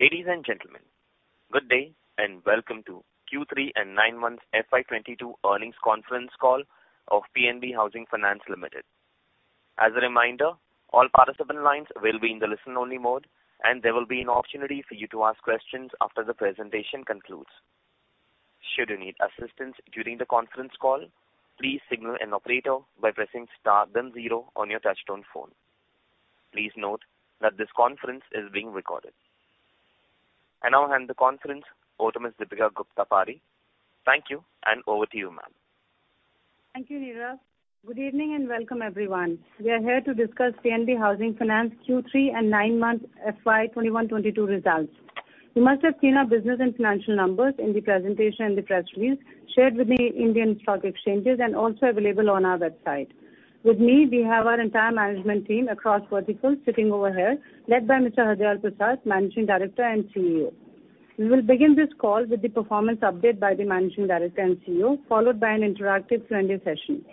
Ladies and gentlemen, good day and welcome to Q3 and Nine Months FY 2022 Earnings Conference Call of PNB Housing Finance Limited. As a reminder, all participant lines will be in the listen-only mode, and there will be an opportunity for you to ask questions after the presentation concludes. Should you need assistance during the conference call, please signal an operator by pressing star then zero on your touchtone phone. Please note that this conference is being recorded. I now hand the conference over to Ms. Deepika Gupta Padhi. Thank you, and over to you, ma'am. Thank you, Neeraj. Good evening and welcome everyone. We are here to discuss PNB Housing Finance Q3 and 9-month FY 2021-22 Results. You must have seen our business and financial numbers in the presentation and the press release shared with the Indian stock exchanges and also available on our website. With me, we have our entire management team across verticals sitting over here, led by Mr. Hardayal Prasad, Managing Director and CEO. We will begin this call with the performance update by the Managing Director and CEO, followed by an interactive Q&A session.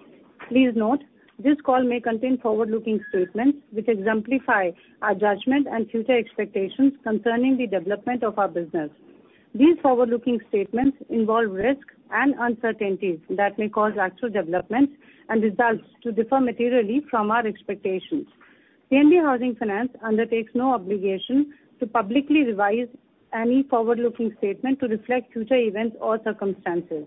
Please note, this call may contain forward-looking statements which exemplify our judgment and future expectations concerning the development of our business. These forward-looking statements involve risks and uncertainties that may cause actual developments and results to differ materially from our expectations. PNB Housing Finance undertakes no obligation to publicly revise any forward-looking statement to reflect future events or circumstances.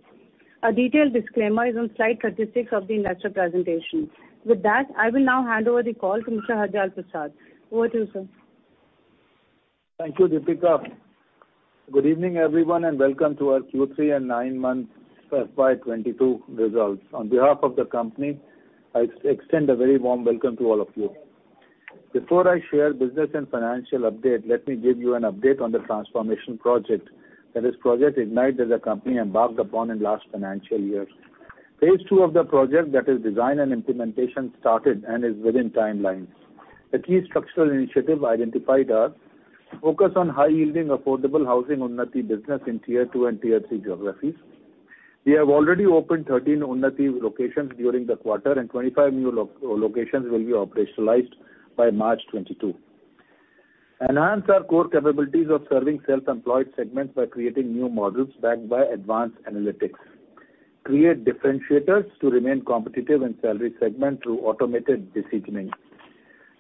A detailed disclaimer is on slide 36 of the investor presentation. With that, I will now hand over the call to Mr. Hardayal Prasad. Over to you, sir. Thank you, Deepika. Good evening, everyone, and welcome to our Q3 and Nine Months FY 2022 Results. On behalf of the company, I extend a very warm welcome to all of you. Before I share business and financial update, let me give you an update on the transformation project that is Project IGNITE that the company embarked upon in last financial year. Phase II of the project that is design and implementation started and is within timelines. The key structural initiatives identified are focus on high-yielding affordable housing Unnati business in Tier 2 and Tier 3 geographies. We have already opened 13 Unnati locations during the quarter, and 25 new locations will be operationalized by March 2022.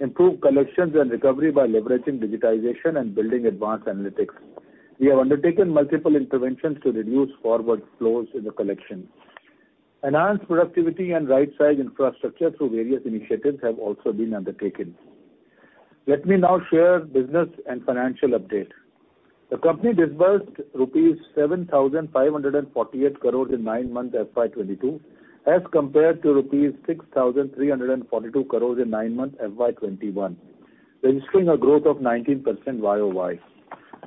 Improve collections and recovery by leveraging digitization and building advanced analytics. We have undertaken multiple interventions to reduce forward flows in the collection. Enhance productivity and right-size infrastructure through various initiatives have also been undertaken. Let me now share business and financial update. The company disbursed rupees 7,548 crores in nine-month FY 2022, as compared to rupees 6,342 crores in nine-month FY 2021, registering a growth of 19% YOY.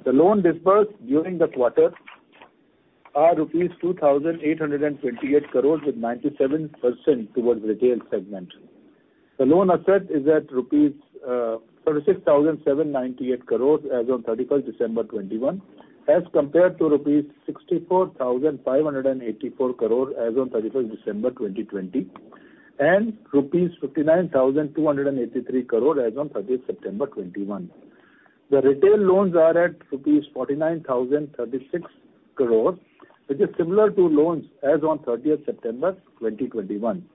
The loan disbursed during the quarter are rupees 2,828 crores with 97% towards retail segment. The loan asset is at rupees 36,798 crores as on 31 December 2021, as compared to rupees 64,584 crore as on 31 December 2020, and rupees 59,283 crore as on 30 September 2021. The retail loans are at rupees 49,036 crores, which is similar to loans as on thirtieth September 2021.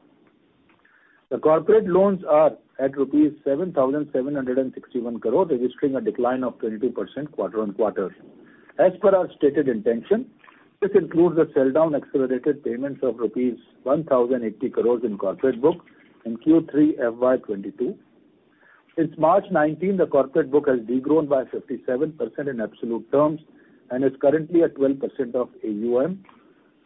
The corporate loans are at rupees 7,761 crores, registering a decline of 22% quarter-on-quarter. As per our stated intention, this includes the sell-down accelerated payments of rupees 1,080 crores in corporate books in Q3 FY 2022. Since March 2019, the corporate book has de-grown by 57% in absolute terms and is currently at 12% of AUM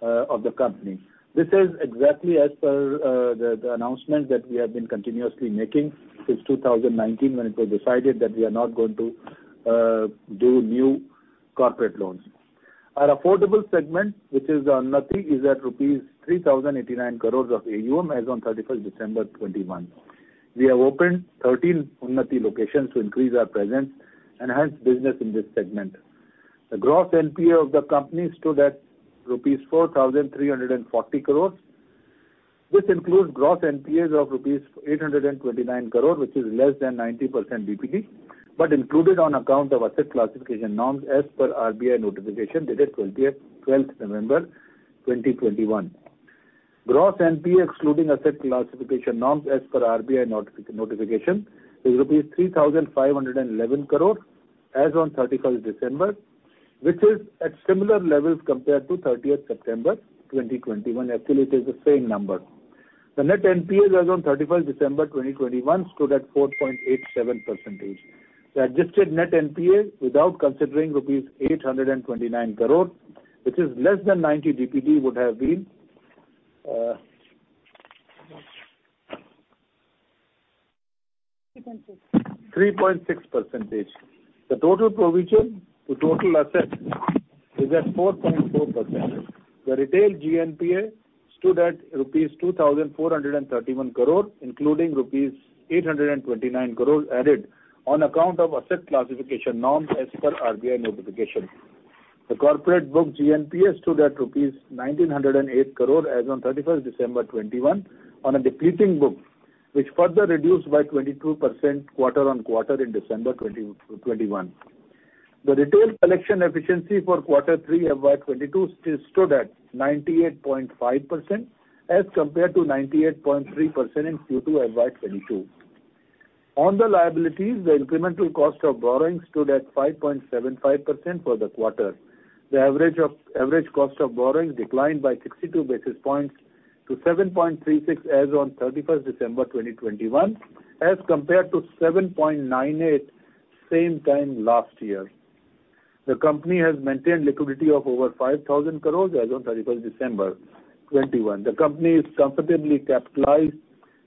of the company. This is exactly as per the announcement that we have been continuously making since 2019 when it was decided that we are not going to do new corporate loans. Our affordable segment, which is Unnati, is at rupees 3,089 crores of AUM as on 31 December 2021. We have opened 13 Unnati locations to increase our presence, enhance business in this segment. The gross NPA of the company stood at rupees 4,340 crore. This includes gross NPAs of rupees 829 crore, which is less than 90 DPD, but included on account of asset classification norms as per RBI notification dated 12 November 2021. Gross NPA excluding asset classification norms as per RBI notification is rupees 3,511 crore as on 31 December, which is at similar levels compared to 30 September 2021. Actually, it is the same number. The net NPA as on 31 December 2021 stood at 4.87%. The adjusted net NPA without considering rupees 829 crore, which is less than 90 DPD, would have been 3.6%. The total provision to total assets is at 4.4%. The retail GNPA stood at rupees 2,431 crore, including rupees 829 crore added on account of asset classification norms as per RBI notification. The corporate book GNPA stood at rupees 1,908 crore as on 31 December 2021 on a depleting book, which further reduced by 22% quarter-on-quarter in December 2021. The retail collection efficiency for Q3 FY 2022 stood at 98.5% as compared to 98.3% in Q2 FY 2022. On the liabilities, the incremental cost of borrowing stood at 5.75% for the quarter. The average cost of borrowing declined by 62 basis points to 7.36% as on 31st December 2021 as compared to 7.98% same time last year. The company has maintained liquidity of over 5,000 crore as on 31st December 2021. The company is comfortably capitalized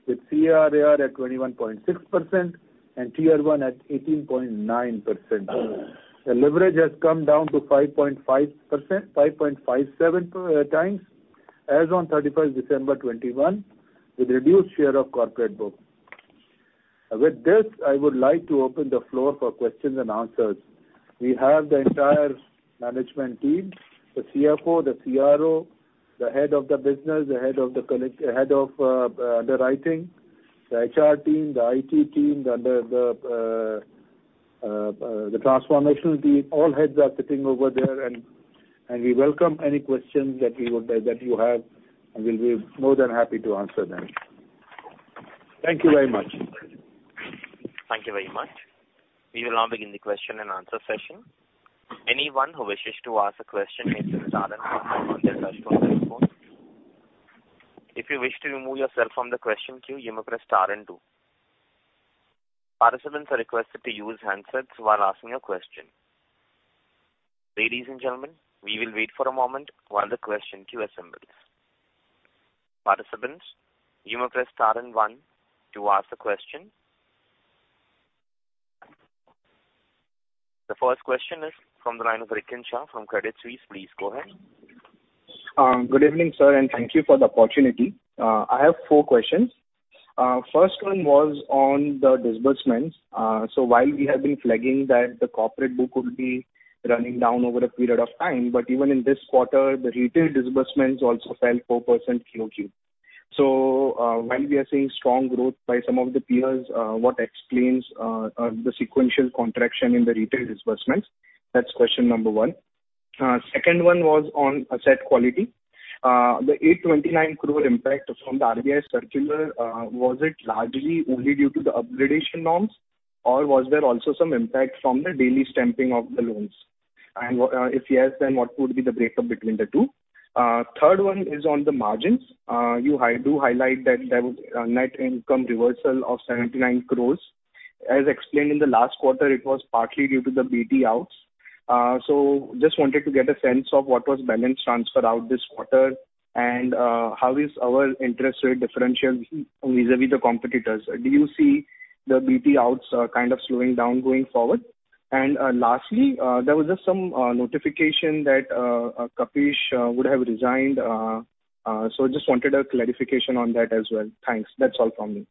with CRAR at 21.6% and Tier 1 at 18.9%. The leverage has come down to 5.57x as on 31st December 2021, with reduced share of corporate book. With this, I would like to open the floor for questions-and-answers. We have the entire management team, the CFO, the CRO, the head of the business, the head of underwriting, the HR team, the IT team, the transformational team, all heads are sitting over there and we welcome any questions that you have, and we'll be more than happy to answer them. Thank you very much. Thank you very much. We will now begin the question and answer session. Anyone who wishes to ask a question may press star and pound on their touchtone telephone. If you wish to remove yourself from the question queue, you may press star and two. Participants are requested to use handsets while asking a question. Ladies and gentlemen, we will wait for a moment while the question queue assembles. Participants, you may press star and one to ask a question. The first question is from the line of Rikin Shah from Credit Suisse. Please go ahead. Good evening, sir, and thank you for the opportunity. I have four questions. First one was on the disbursements. While we have been flagging that the corporate book would be running down over a period of time, but even in this quarter, the retail disbursements also fell 4% QOQ. While we are seeing strong growth by some of the peers, what explains the sequential contraction in the retail disbursements? That's question number one. Second one was on asset quality. The 829 crore impact from the RBI circular, was it largely only due to the upgradation norms, or was there also some impact from the daily stamping of the loans? And, if yes, then what would be the breakup between the two? Third one is on the margins. You highlighted that there was a net income reversal of 79 crore. As explained in the last quarter, it was partly due to the BT outs. Just wanted to get a sense of what the balance transfer out was this quarter and how is our interest rate differential vis-à-vis the competitors. Do you see the BT outs kind of slowing down going forward? Lastly, there was just some notification that Kapish would have resigned. Just wanted a clarification on that as well. Thanks. That's all from me.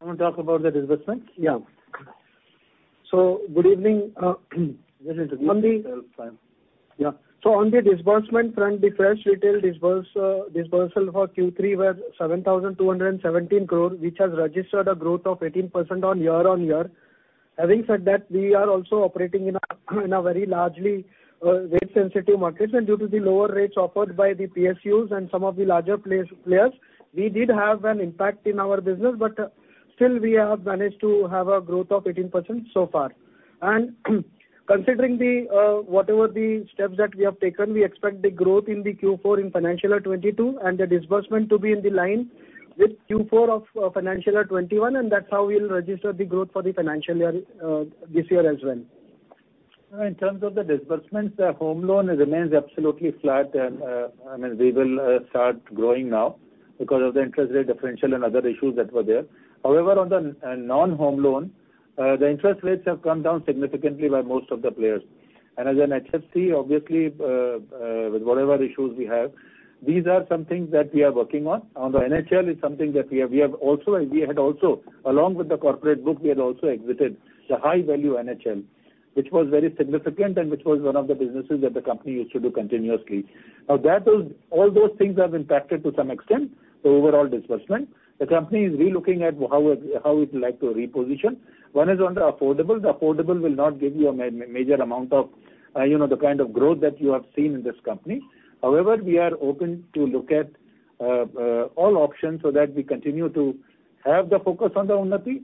You wanna talk about the disbursement? Yeah. Good evening. Just introduce yourself, sir. Yeah. On the disbursement front, the fresh retail dispersal for Q3 was 7,217 crore, which has registered a growth of 18% year-on-year. Having said that, we are also operating in a very largely rate-sensitive markets. Due to the lower rates offered by the PSUs and some of the larger players, we did have an impact in our business, but still we have managed to have a growth of 18% so far. Considering the whatever steps that we have taken, we expect the growth in the Q4 in FY 2022 and the disbursement to be in line with Q4 of FY 2021, and that's how we'll register the growth for the financial year this year as well. In terms of the disbursements, the home loan remains absolutely flat. I mean, we will start growing now because of the interest rate differential and other issues that were there. However, on the non-home loan, the interest rates have come down significantly by most of the players. As an HFC, obviously, with whatever issues we have, these are some things that we are working on. On the NHL, we had also, along with the corporate book, exited the high value NHL, which was very significant and which was one of the businesses that the company used to do continuously. Now, all those things have impacted to some extent the overall disbursement. The company is relooking at how it would like to reposition. One is on the affordable. The affordable will not give you a major amount of the kind of growth that you have seen in this company. However, we are open to look at all options so that we continue to have the focus on the Unnati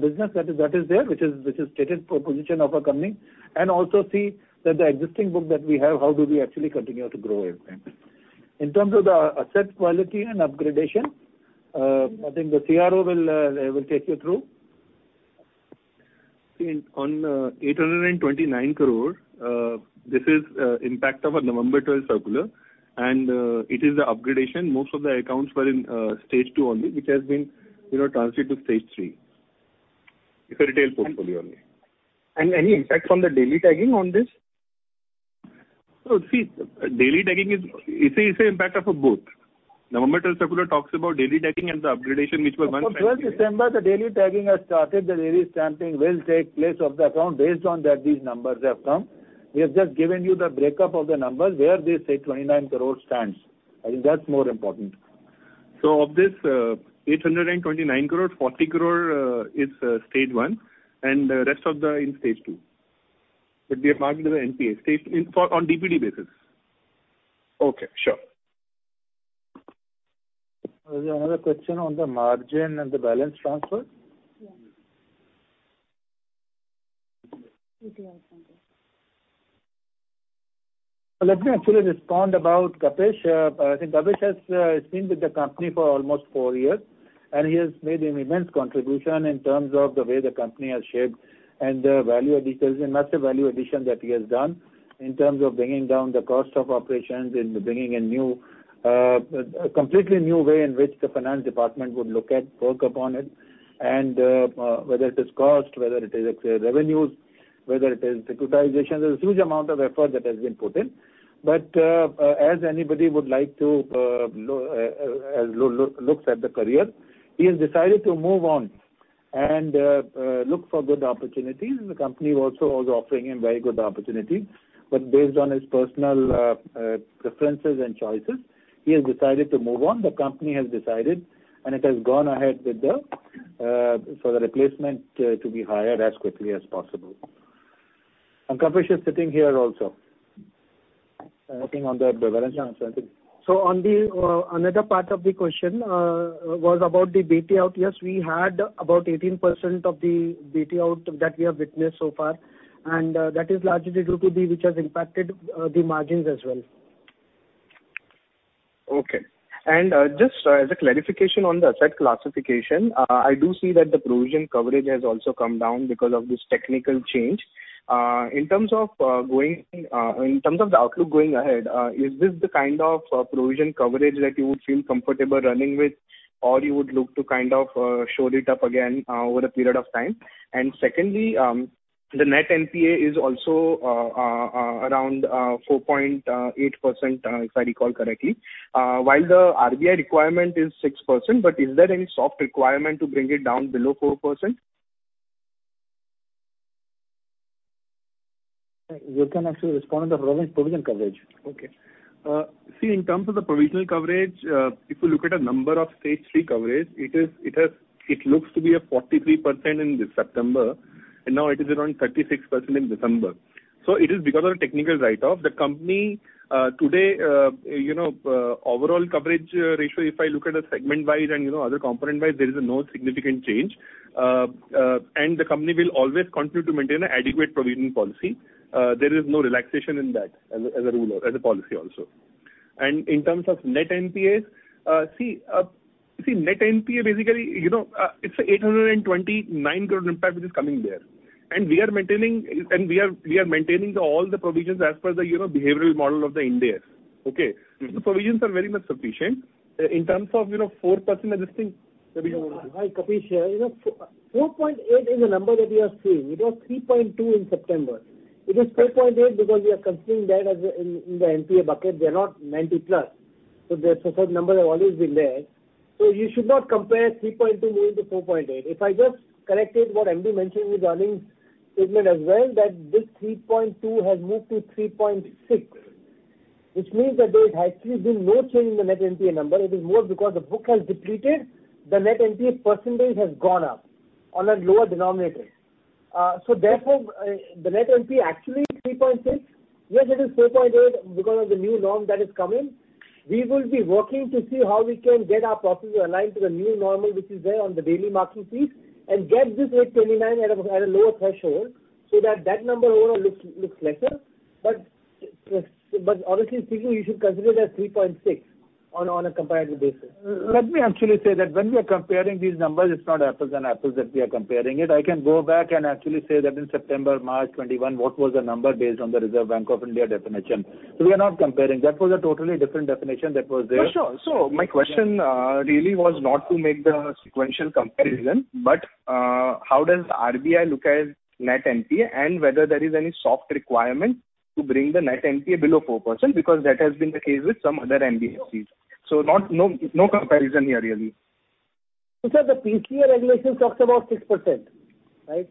business that is stated proposition of our company, and also see that the existing book that we have, how do we actually continue to grow it. In terms of the asset quality and upgradation, I think the CRO will take you through. On 829 crore, this is impact of a November 12 circular, and it is the downgrade. Most of the accounts were in Stage 2 only, which has been, you know, transferred to Stage 3. It's a retail portfolio only. Any impact from the daily tagging on this? See, daily tagging is, it's a impact of both. November 12 circular talks about daily tagging and the upgradation which was one. From December 12, the daily tagging has started. The daily stamping will take place on the account based on that these numbers have come. We have just given you the breakup of the numbers where this 829 crore stands. I think that's more important. Of this, 829 crore, 40 crore is Stage 1 and the rest is in Stage 2. But we have marked it as NPA. Staging on DPD basis. Okay, sure. There's another question on the margin and the balance transfer. Let me actually respond about Kapish. I think Kapish has been with the company for almost four years, and he has made an immense contribution in terms of the way the company has shaped and the value addition, a massive value addition that he has done in terms of bringing down the cost of operations, in bringing a new, a completely new way in which the finance department would look at, work upon it. Whether it is cost, whether it is revenues, whether it is securitization, there's a huge amount of effort that has been put in. As anybody would like to look at the career, he has decided to move on and look for good opportunities. The company also was offering him very good opportunity. Based on his personal preferences and choices, he has decided to move on. The company has decided, and it has gone ahead with the replacement to be hired as quickly as possible. Kapish is sitting here also. Working on the balance transfer I think. On the other part of the question was about the BT out. Yes, we had about 18% of the BT out that we have witnessed so far. That is largely rupee which has impacted the margins as well. Okay. Just as a clarification on the asset classification, I do see that the provision coverage has also come down because of this technical change. In terms of the outlook going ahead, is this the kind of provision coverage that you would feel comfortable running with or you would look to kind of shore it up again over a period of time? Secondly, the net NPA is also around 4.8%, if I recall correctly. While the RBI requirement is 6%, but is there any soft requirement to bring it down below 4%? You can actually respond on the provision coverage. Okay. In terms of the provision coverage, if you look at the number of Stage 3 coverage, it looks to be 43% in September, and now it is around 36% in December. It is because of the technical write-off. The company today, you know, overall coverage ratio, if I look at segment-wise and other component-wise, there is no significant change. The company will always continue to maintain an adequate provision policy. There is no relaxation in that as a rule or as a policy also. In terms of net NPAs, net NPA basically, you know, it's an 829 crore impact which is coming there. We are maintaining all the provisions as per the behavioral model of India, you know, okay? The provisions are very much sufficient. In terms of 4% and this thing that we don't want to. Hi, Kapish here. You know, 4.8% is a number that we are seeing. It was 3.2% in September. It is 4.8% because we are considering that as a in the NPA bucket. They are not 90+. Therefore, the numbers have always been there. You should not compare 3.2%-4.8%. If I just corrected what MD mentioned in the earnings statement as well, that this 3.2% has moved to 3.6%, which means that there has actually been no change in the net NPA number. It is more because the book has depleted. The net NPA percentage has gone up on a lower denominator. Therefore, the net NPA actually 3.6%. Yes, it is 4.8% because of the new norm that is coming. We will be working to see how we can get our processes aligned to the new normal, which is there on the daily marking fees and get this 829 at a lower threshold so that that number overall looks lesser. Obviously speaking, you should consider that 3.6% on a comparative basis. Let me actually say that when we are comparing these numbers, it's not apples and apples that we are comparing it. I can go back and actually say that in September, March 2021, what was the number based on the Reserve Bank of India definition. We are not comparing. That was a totally different definition that was there. For sure. My question really was not to make the sequential comparison, but how does RBI look at net NPA and whether there is any soft requirement to bring the net NPA below 4% because that has been the case with some other NBFCs. Not, no comparison here really. Sir, the PCA regulation talks about 6%, right?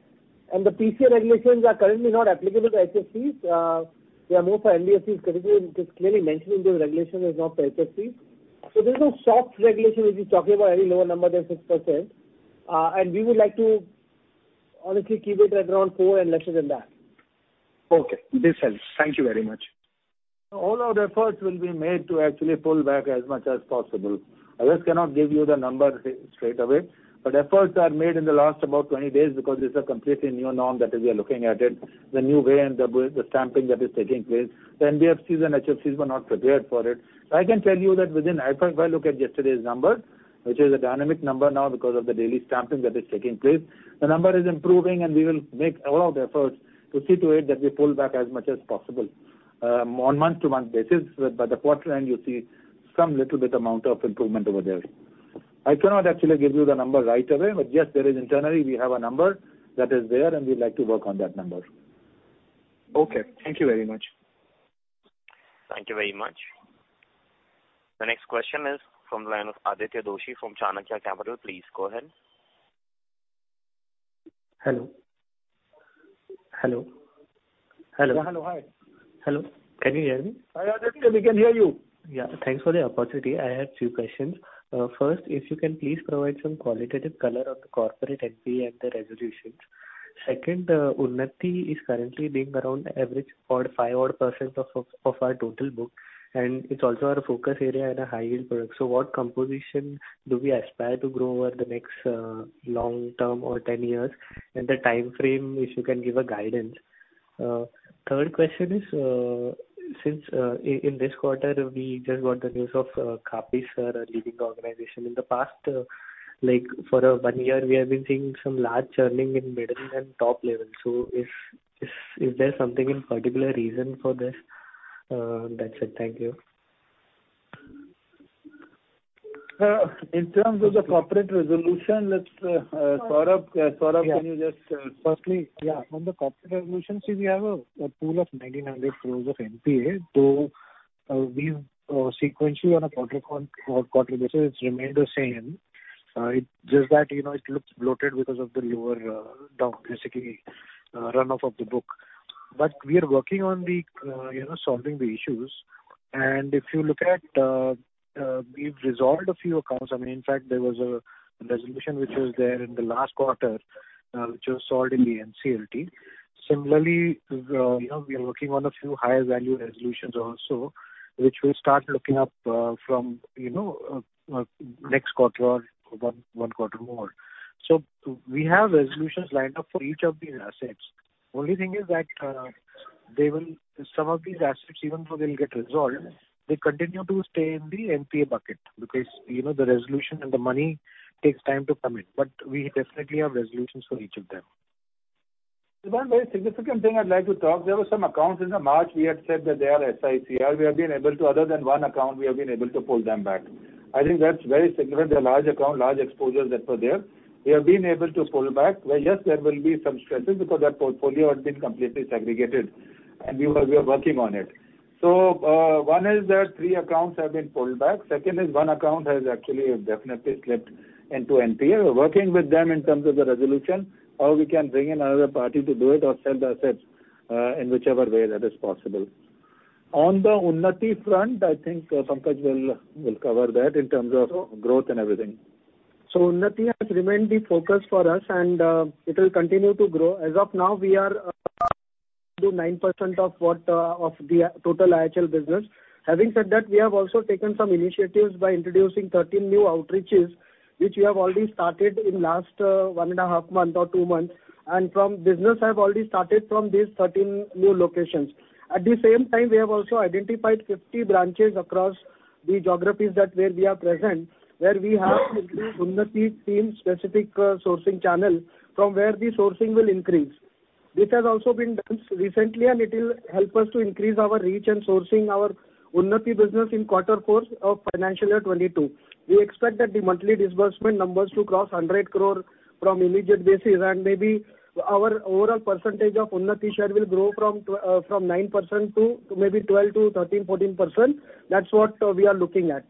The PCA regulations are currently not applicable to HFCs. They are more for NBFCs because it is clearly mentioned in those regulations that it is not for HFCs. There is no soft regulation if you're talking about any lower number than 6%. We would like to honestly keep it at around 4% and lesser than that. Okay. This helps. Thank you very much. All our efforts will be made to actually pull back as much as possible. I just cannot give you the number straight away. Efforts are made in the last about 20 days because this is a completely new norm that we are looking at it, the new way and the stamping that is taking place. The NBFCs and HFCs were not prepared for it. I can tell you that within, if I look at yesterday's number, which is a dynamic number now because of the daily stamping that is taking place, the number is improving and we will make all of the efforts to see to it that we pull back as much as possible, on month-to-month basis. By the quarter end, you'll see some little bit amount of improvement over there. I cannot actually give you the number right away, but yes, there is internally we have a number that is there, and we'd like to work on that number. Okay. Thank you very much. Thank you very much. The next question is from the line of Aditya Doshi from Chanakya Capital. Please go ahead. Hello? Hello? Hello? Yeah. Hello. Hi. Hello. Can you hear me? Hi, Aditya. We can hear you. Yeah. Thanks for the opportunity. I have two questions. First, if you can please provide some qualitative color on the corporate NPA and the resolutions. Second, Unnati is currently around 5% of our total book, and it's also our focus area and a high-yield product. So what composition do we aspire to grow over the next long term or 10 years and the timeframe, if you can give a guidance? Third question is, since in this quarter we just got the news of Kapish leaving the organization. In the past, like for 1 year we have been seeing some large churning in middle and top levels. So if is there some particular reason for this? That's it. Thank you. In terms of the corporate resolution, let's Saurabh. Can you just. Firstly, yeah, on the corporate resolution, see, we have a pool of 1,900 crore of NPA, though we've sequentially on a quarter-over-quarter basis it's remained the same. It's just that, you know, it looks bloated because of the lower basically run off of the book. We are working on, you know, solving the issues. If you look at, we've resolved a few accounts. I mean, in fact, there was a resolution which was there in the last quarter which was solved in the NCLT. Similarly, you know, we are working on a few higher value resolutions also, which will start looking up from, you know, next quarter or one quarter more. We have resolutions lined up for each of these assets. The only thing is that they will Some of these assets even though they'll get resolved, they continue to stay in the NPA bucket because, you know, the resolution and the money takes time to come in. We definitely have resolutions for each of them. One very significant thing I'd like to talk about. There were some accounts in March we had said that they are SICR. Other than one account, we have been able to pull them back. I think that's very significant. They're large account, large exposures that were there. We have been able to pull back. Well, yes, there will be some stresses because that portfolio has been completely segregated and we are working on it. One is that three accounts have been pulled back. Second is one account has actually definitely slipped into NPA. We're working with them in terms of the resolution, how we can bring in another party to do it or sell the assets, in whichever way that is possible. On the Unnati front, I think, Pankaj will cover that in terms of growth and everything. Unnati has remained the focus for us and it will continue to grow. As of now, we are at 9% of the total IHL business. Having said that, we have also taken some initiatives by introducing 13 new outreaches, which we have already started in last 1.5 month or two months. Business has already started from these 13 new locations. At the same time, we have also identified 50 branches across the geographies where we are present, where we have increased Unnati team specific sourcing channel from where the sourcing will increase. This has also been done recently, and it will help us to increase our reach and sourcing our Unnati business in Q4 of FY 2022. We expect that the monthly disbursement numbers to cross 100 crore from immediate basis and maybe our overall percentage of Unnati share will grow from 9% to maybe 12%-13%, 14%. That's what we are looking at.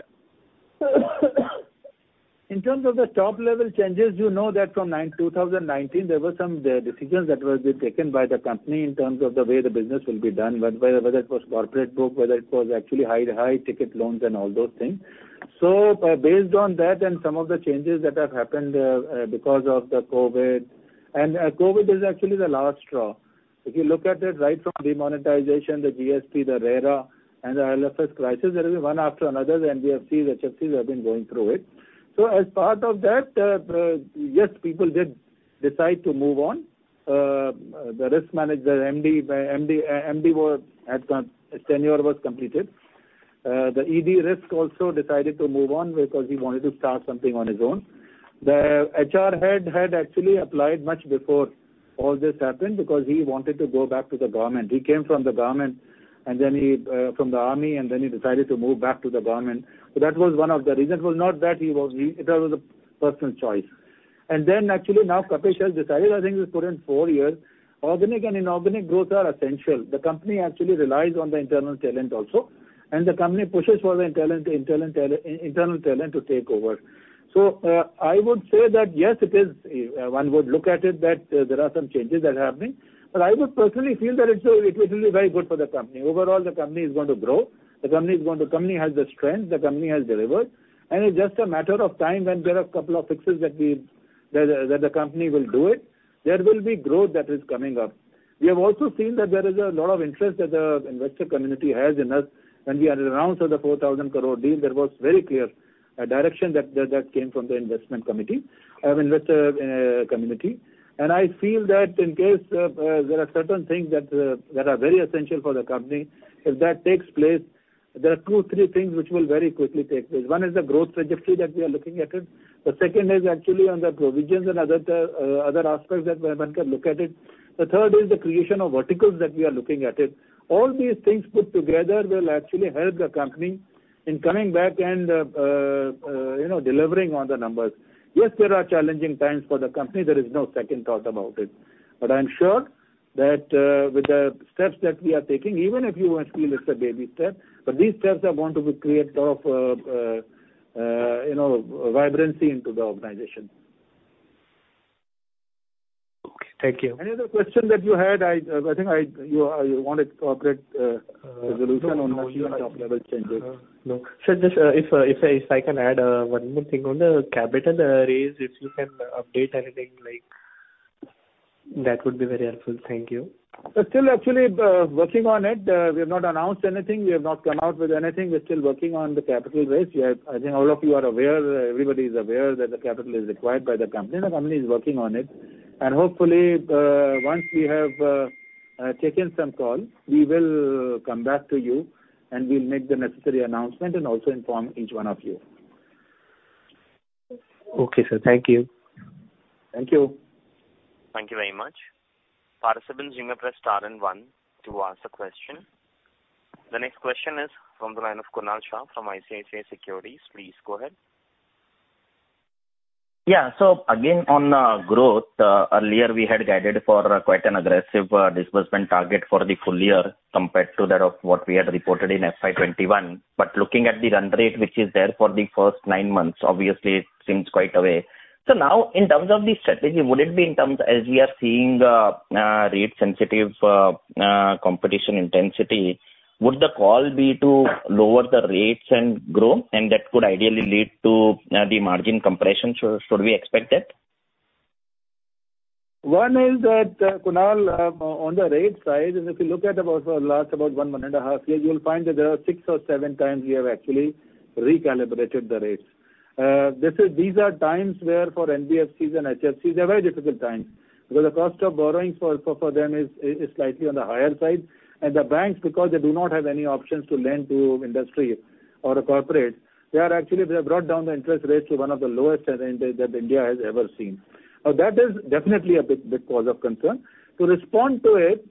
In terms of the top level changes, you know that from 2019 there were some decisions that were being taken by the company in terms of the way the business will be done, whether it was corporate book, whether it was actually high to high ticket loans and all those things. Based on that and some of the changes that have happened because of the COVID, and COVID is actually the last straw. If you look at it right from demonetization, the GST, the RERA and the IL&FS crisis, there will be one after another, the NBFCs, HFCs have been going through it. As part of that, yes, people did decide to move on. The Risk Manager, MD, his tenure was completed. The ED risk also decided to move on because he wanted to start something on his own. The HR head had actually applied much before all this happened because he wanted to go back to the government. He came from the government, and then from the army, and then he decided to move back to the government. That was one of the reasons. It was not that he was. That was a personal choice. Then actually now Kapish has decided, I think he's put in 4 years. Organic and inorganic growth are essential. The company actually relies on the internal talent also, and the company pushes for the internal talent to take over. I would say that yes, it is, one would look at it that there are some changes that are happening, but I would personally feel that it's, it will be very good for the company. Overall, the company is going to grow. The company has the strength, the company has delivered, and it's just a matter of time when there are a couple of fixes that the company will do it. There will be growth that is coming up. We have also seen that there is a lot of interest that the investor community has in us, and we are around to the 4,000 crore deal. That was very clear direction that came from the investment committee, investor community. I feel that in case there are certain things that are very essential for the company, if that takes place. There are two, three things which will very quickly take place. One is the growth trajectory that we are looking at it. The second is actually on the provisions and other aspects that one can look at it. The third is the creation of verticals that we are looking at it. All these things put together will actually help the company in coming back and, you know, delivering on the numbers. Yes, there are challenging times for the company. There is no second thought about it. I'm sure that, with the steps that we are taking, even if actually it's a baby step, but these steps are going to create sort of, you know, vibrancy into the organization. Okay. Thank you. Any other question that you had, I think you wanted corporate resolution on the top-level changes. No, sir, just if I can add one more thing on the capital raise, if you can update anything like that would be very helpful. Thank you. We're still actually working on it. We have not announced anything. We have not come out with anything. We're still working on the capital raise. I think all of you are aware, everybody is aware that the capital is required by the company. The company is working on it. Hopefully, once we have taken some call, we will come back to you, and we'll make the necessary announcement and also inform each one of you. Okay, sir. Thank you. Thank you. Thank you very much. Participant, you may press star and one to ask the question. The next question is from the line of Kunal Shah from ICICI Securities. Please go ahead. Yeah. Again, on growth, earlier we had guided for quite an aggressive disbursement target for the full year compared to that of what we had reported in FY 2021. Looking at the run rate which is there for the first nine months, obviously it seems quite a way. Now in terms of the strategy, would it be in terms as we are seeing, rate sensitive, competition intensity, would the call be to lower the rates and grow, and that could ideally lead to the margin compression? Should we expect it? One is that, Kunal, on the rate side, and if you look at about the last 1.5 years, you'll find that there are 6x or 7x we have actually recalibrated the rates. These are times where for NBFCs and HFCs, they're very difficult times because the cost of borrowing for them is slightly on the higher side. The banks, because they do not have any options to lend to industry or a corporate, they have brought down the interest rates to one of the lowest that India has ever seen. Now that is definitely a big cause of concern. To respond to it,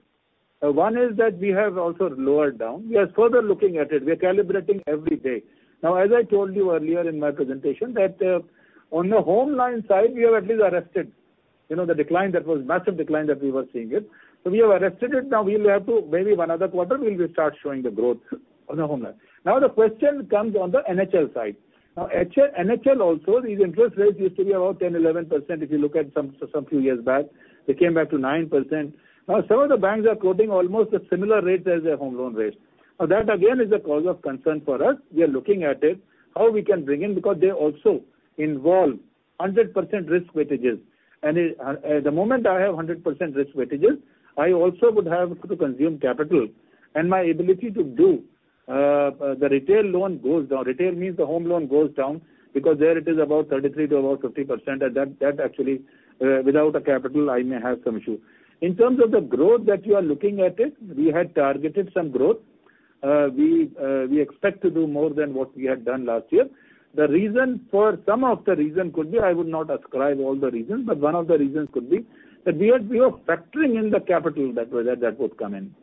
one is that we have also lowered down. We are further looking at it. We are calibrating every day. Now, as I told you earlier in my presentation that, on the home loan side, we have at least arrested, you know, the massive decline that we were seeing it. We have arrested it. Now we'll have to maybe one other quarter we'll start showing the growth on the home loan. Now the question comes on the NHL side. Now HL-NHL also these interest rates used to be about 10%-11% if you look at some few years back. They came back to 9%. Now some of the banks are quoting almost a similar rate as their home loan rates. Now that again is a cause of concern for us. We are looking at it, how we can bring in because they also involve 100% risk weightages. The moment I have 100% risk weightages, I also would have to consume capital and my ability to do the retail loan goes down. Retail means the home loan goes down because there it is about 33% to about 50% and that actually without a capital, I may have some issue. In terms of the growth that you are looking at it, we had targeted some growth. We expect to do more than what we had done last year. The reason for some of the reason could be I would not ascribe all the reasons, but one of the reasons could be that we are factoring in the capital that would come in.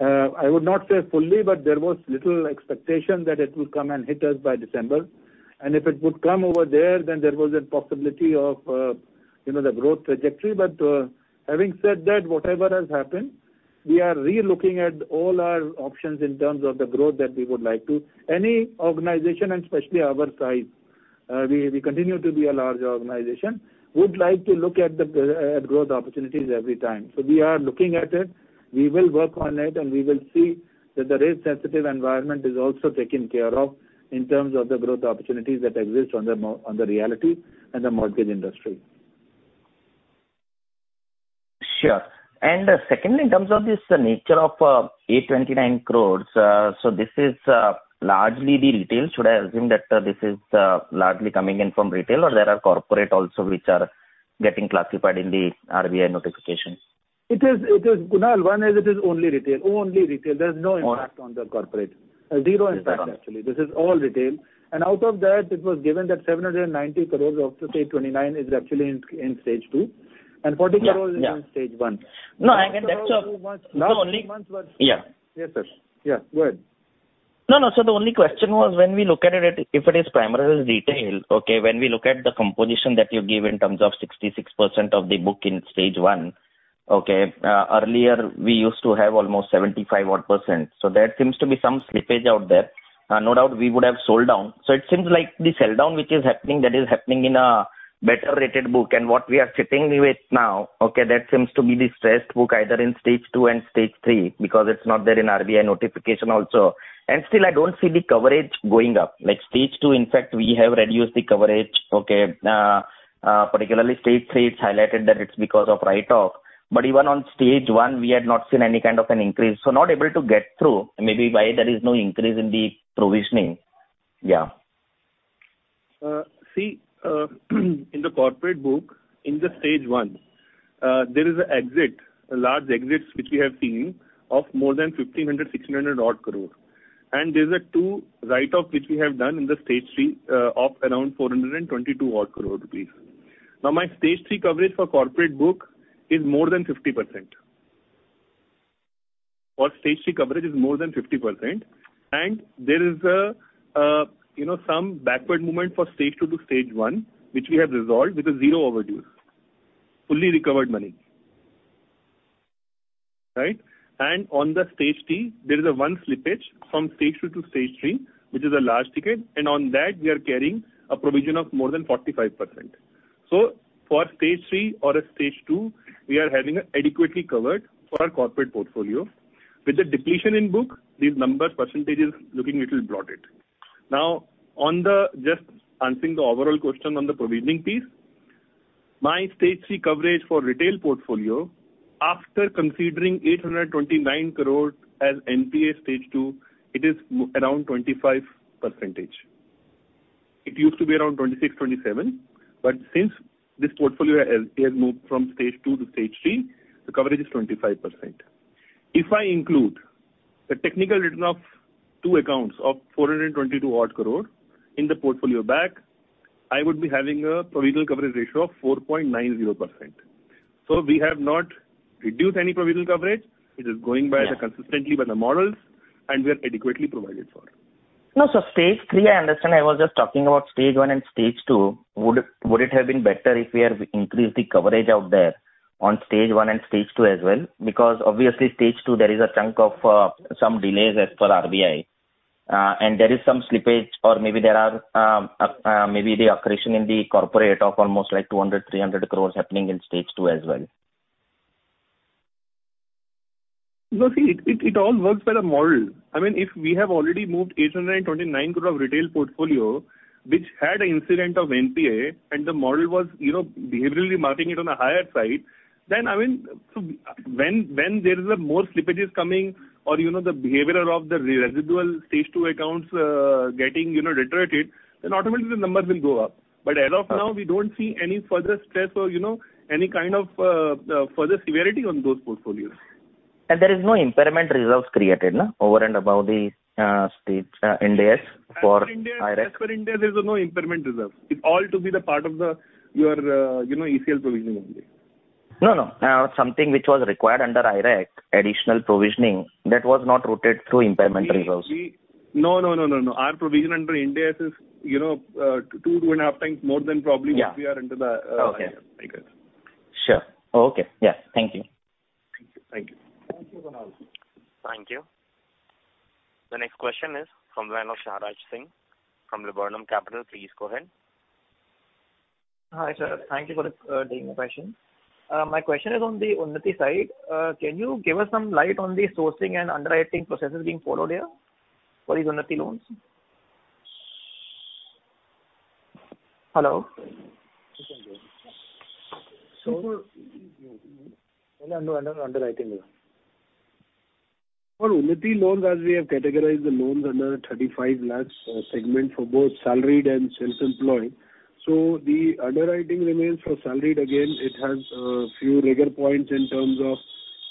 I would not say fully, but there was little expectation that it will come and hit us by December. If it would come over there, then there was a possibility of, you know, the growth trajectory. Having said that, whatever has happened, we are relooking at all our options in terms of the growth that we would like to. Any organization and especially our size, we continue to be a large organization, would like to look at the growth opportunities every time. We are looking at it, we will work on it, and we will see that the rate-sensitive environment is also taken care of in terms of the growth opportunities that exist on the realty and the mortgage industry. Sure. Secondly, in terms of the nature of 829 crore, so this is largely the retail. Should I assume that this is largely coming in from retail or there are corporate also which are getting classified in the RBI notification? It is, Kunal, one is only retail. Only retail. There's no impact on the corporate. Zero impact actually. This is all retail. Out of that it was given that 790 crores of say 29 is actually in Stage 2 and 40 crores is in Stage 1. Yes, sir, go ahead. No, no. The only question was when we look at it, if it is primarily retail, okay, when we look at the composition that you give in terms of 66% of the book in Stage 1, earlier we used to have almost 75% odd. There seems to be some slippage out there. No doubt we would have sold down. It seems like the sell-down which is happening, that is happening in a better rated book. What we are sitting with now, okay, that seems to be the stressed book either in Stage 2 and Stage 3 because it's not there in RBI notification also. Still I don't see the coverage going up. Like Stage 2, in fact, we have reduced the coverage, okay. Particularly Stage 3, it's highlighted that it's because of write off. Even on Stage 1 we had not seen any kind of an increase. Not able to get through maybe why there is no increase in the provisioning. See, in the corporate book, in the Stage 1, there is an exit, a large exit which we have seen of more than 1,500-1,600 odd crore. There's a two write-off which we have done in the Stage 3, of around 422 crore rupees. Now, my Stage 3 coverage for corporate book is more than 50%. For Stage 3 coverage is more than 50%, and there is, you know, some backward movement for Stage 2 to Stage 1, which we have resolved with a zero overdue. Fully recovered money, right? On the Stage 3, there is a one slippage from Stage 2 to Stage 3, which is a large ticket, and on that we are carrying a provision of more than 45%. For Stage 3 or a Stage 2, we are having it adequately covered for our corporate portfolio. With the depletion in book, these numbers percentages looking a little bloated. Now, just answering the overall question on the provisioning piece, my Stage 3 coverage for retail portfolio, after considering 829 crore as NPA Stage 2, it is around 25%. It used to be around 26, 27, but since this portfolio has moved from Stage 2 to Stage 3, the coverage is 25%. If I include the technical written off two accounts of 422 odd crore in the portfolio back, I would be having a provision coverage ratio of 4.90%. We have not reduced any provision coverage. It is going consistently by the models and we are adequately provided for. No, Stage 3, I understand. I was just talking about Stage 1 and Stage 2. Would it have been better if we have increased the coverage out there on Stage 1 and Stage 2 as well? Because obviously Stage 2 there is a chunk of some delays as per RBI. There is some slippage or maybe the accretion in the corporate of almost like 200 to 300 crores happening in Stage 2 as well. No, see, it all works by the model. I mean, if we have already moved 829 crore of retail portfolio, which had an incidence of NPA, and the model was, you know, behaviorally marking it on a higher side, then, I mean, when there is more slippages coming or, you know, the behavior of the residual Stage 2 accounts getting, you know, deteriorated, then automatically the numbers will go up. But as of now, we don't see any further stress or, you know, any kind of further severity on those portfolios. There is no impairment reserves created, no? Over and above the stage NPAs for IRACP. As for India, there's no impairment reserve. It's all to be the part of the, your, you know, ECL provisioning only. No, no. Something which was required under IRACP, additional provisioning that was not routed through impairment reserves. No. Our provision under Ind AS is, you know, 2.5x more than probably what we are under the IRACP. Thank you. Thank you. Thank you, Kunal. Thank you. The next question is from the line of Shahraj Singh from Laburnum Capital. Please go ahead. Hi, sir. Thank you for taking the question. My question is on the Unnati side. Can you give us some light on the sourcing and underwriting processes being followed here for these Unnati loans? Hello? For Unnati loans, as we have categorized the loans under 35 lakhs segment for both salaried and self-employed. The underwriting remains for salaried again, it has few rigor points in terms of,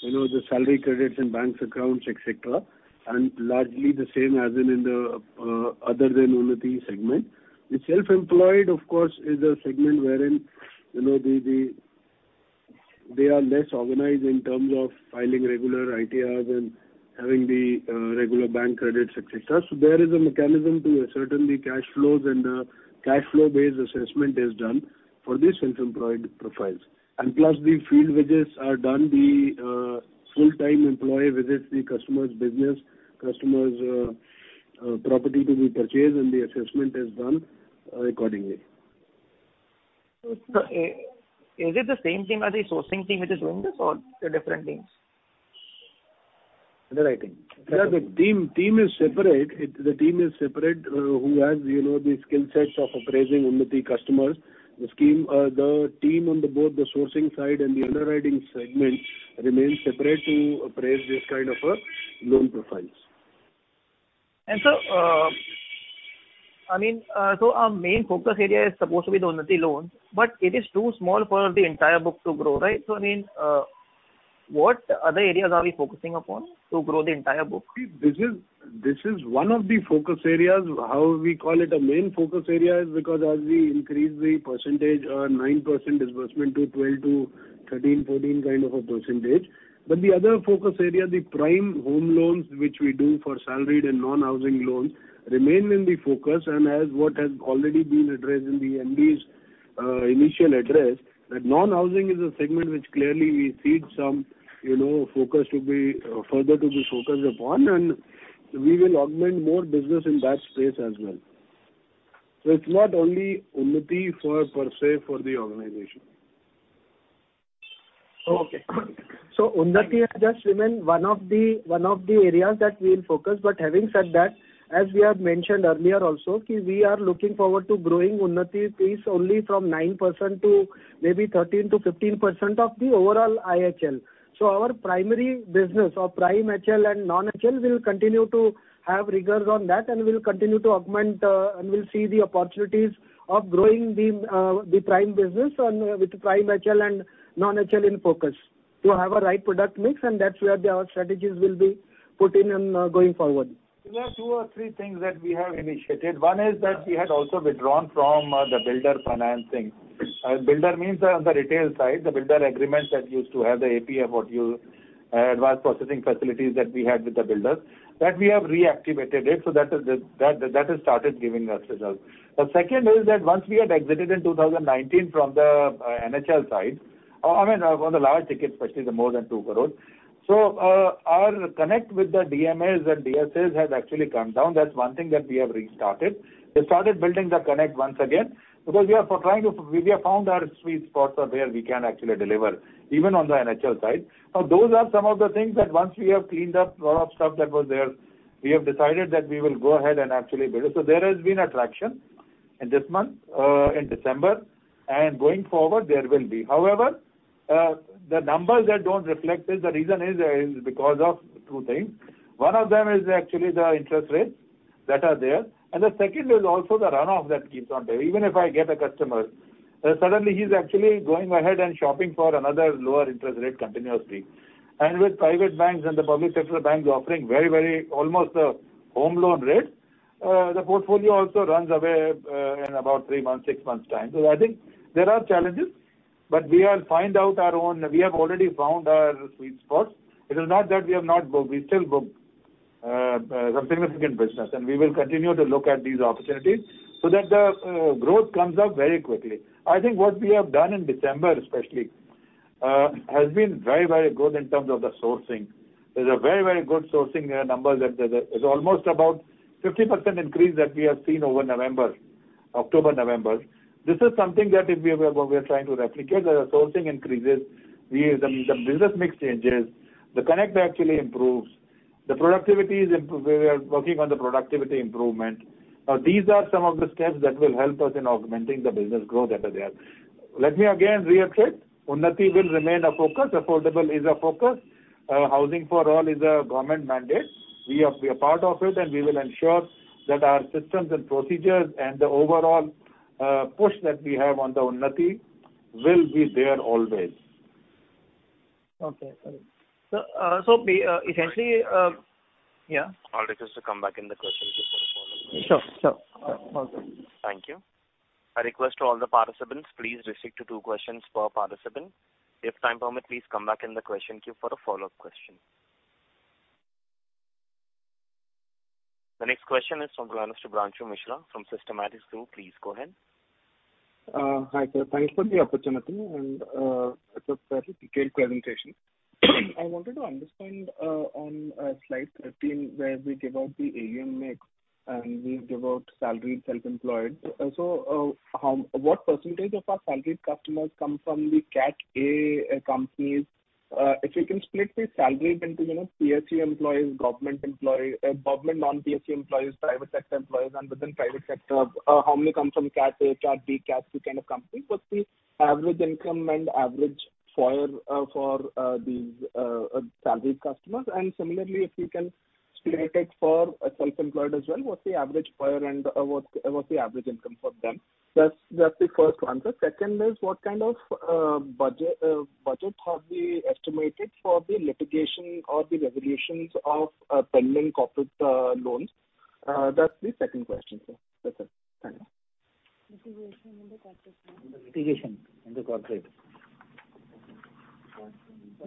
you know, the salary credits and bank accounts, et cetera, and largely the same as in the other than Unnati segment. The self-employed, of course, is a segment wherein, you know, they are less organized in terms of filing regular ITRs and having the regular bank credits, et cetera. There is a mechanism to ascertain the cash flows and cash flow-based assessment is done for these self-employed profiles. Plus the field visits are done. The full-time employee visits the customer's business, customer's property to be purchased, and the assessment is done accordingly. Is it the same thing as the sourcing team which is doing this or different teams? Yeah, the team is separate who has, you know, the skill sets of appraising Unnati customers. The scheme, the team on both the sourcing side and the underwriting segment remains separate to appraise this kind of a loan profiles. Sir, I mean, our main focus area is supposed to be the Unnati loans, but it is too small for the entire book to grow, right? I mean, what other areas are we focusing upon to grow the entire book? See, this is one of the focus areas. How we call it a main focus area is because as we increase the percentage or 9% disbursement to 12 to 13, 14 kind of a percentage. The other focus area, the prime home loans, which we do for salaried and non-housing loans, remain in the focus and as what has already been addressed in the MD's initial address, that non-housing is a segment which clearly we see some, you know, focus to be further to be focused upon, and we will augment more business in that space as well. It's not only Unnati per se for the organization. Oh, okay. Unnati has just remain one of the areas that we'll focus. Having said that, as we have mentioned earlier also, that we are looking forward to growing Unnati piece only from 9% to maybe 13%-15% of the overall IHL. Our primary business or prime HL and non-HL will continue to have rigors on that and will continue to augment, and we'll see the opportunities of growing the prime business on, with prime HL and non-HL in focus to have a right product mix. That's where our strategies will be put in and, going forward. There are 2 or 3 things that we have initiated. One is that we had also withdrawn from the builder financing. Builder means on the retail side, the builder agreements that used to have the APF module, Approved Project Finance that we had with the builders, that we have reactivated it. That has started giving us results. The second is that once we had exited in 2019 from the NHL side, I mean, from the large ticket, especially the more than 2 crore. Our connect with the DMAs and DSAs has actually come down. That's one thing that we have restarted. We started building the connect once again because we have found our sweet spots of where we can actually deliver even on the NHL side. Now, those are some of the things that once we have cleaned up a lot of stuff that was there, we have decided that we will go ahead and actually build it. There has been a traction in this month, in December, and going forward there will be. However, the numbers that don't reflect this, the reason is because of two things. One of them is actually the interest rates that are there, and the second is also the runoff that keeps on there. Even if I get a customer, suddenly he's actually going ahead and shopping for another lower interest rate continuously. With private banks and the public sector banks offering very, very low home loan rate, the portfolio also runs away, in about three months, six months time. I think there are challenges, but we are finding our own. We have already found our sweet spots. It is not that we have not booked. We still book some significant business, and we will continue to look at these opportunities so that the growth comes up very quickly. I think what we have done in December especially has been very, very good in terms of the sourcing. There's a very, very good sourcing numbers. It's almost about 50% increase that we have seen over November, October, November. This is something that if we're trying to replicate. The sourcing increases. The business mix changes, the connect actually improves. The productivity improves. We are working on the productivity improvement. These are some of the steps that will help us in augmenting the business growth that are there. Let me again reiterate, Unnati will remain a focus. Affordable is a focus. Housing for all is a government mandate. We are part of it, and we will ensure that our systems and procedures and the overall push that we have on the Unnati will be there always. Okay. Sorry. Essentially, yeah. I'll request to come back in the question queue for the follow-up. Sure. All good. Thank you. I request to all the participants, please restrict to two questions per participant. If time permit, please come back in the question queue for the follow-up question. The next question is from Renish Bhuva from Systematix Group. Please go ahead. Hi, sir. Thank you for the opportunity and it's a fairly detailed presentation. I wanted to understand on slide 13 where we give out the AUM mix and we give out salaried, self-employed. What percentage of our salaried customers come from the Cat A companies? If you can split the salaried into you know PSC employees, government employee, government non-PSC employees, private sector employees, and within private sector, how many come from Cat A, Cat B, Cat C kind of company? What's the average income and average FOIR for these salaried customers? And similarly, if you can split it for self-employed as well, what's the average FOIR and what's the average income for them? That's the first one. The second is what kind of budget have we estimated for the litigation or the resolutions of pending corporate loans? That's the second question, sir. That's it. Thank you.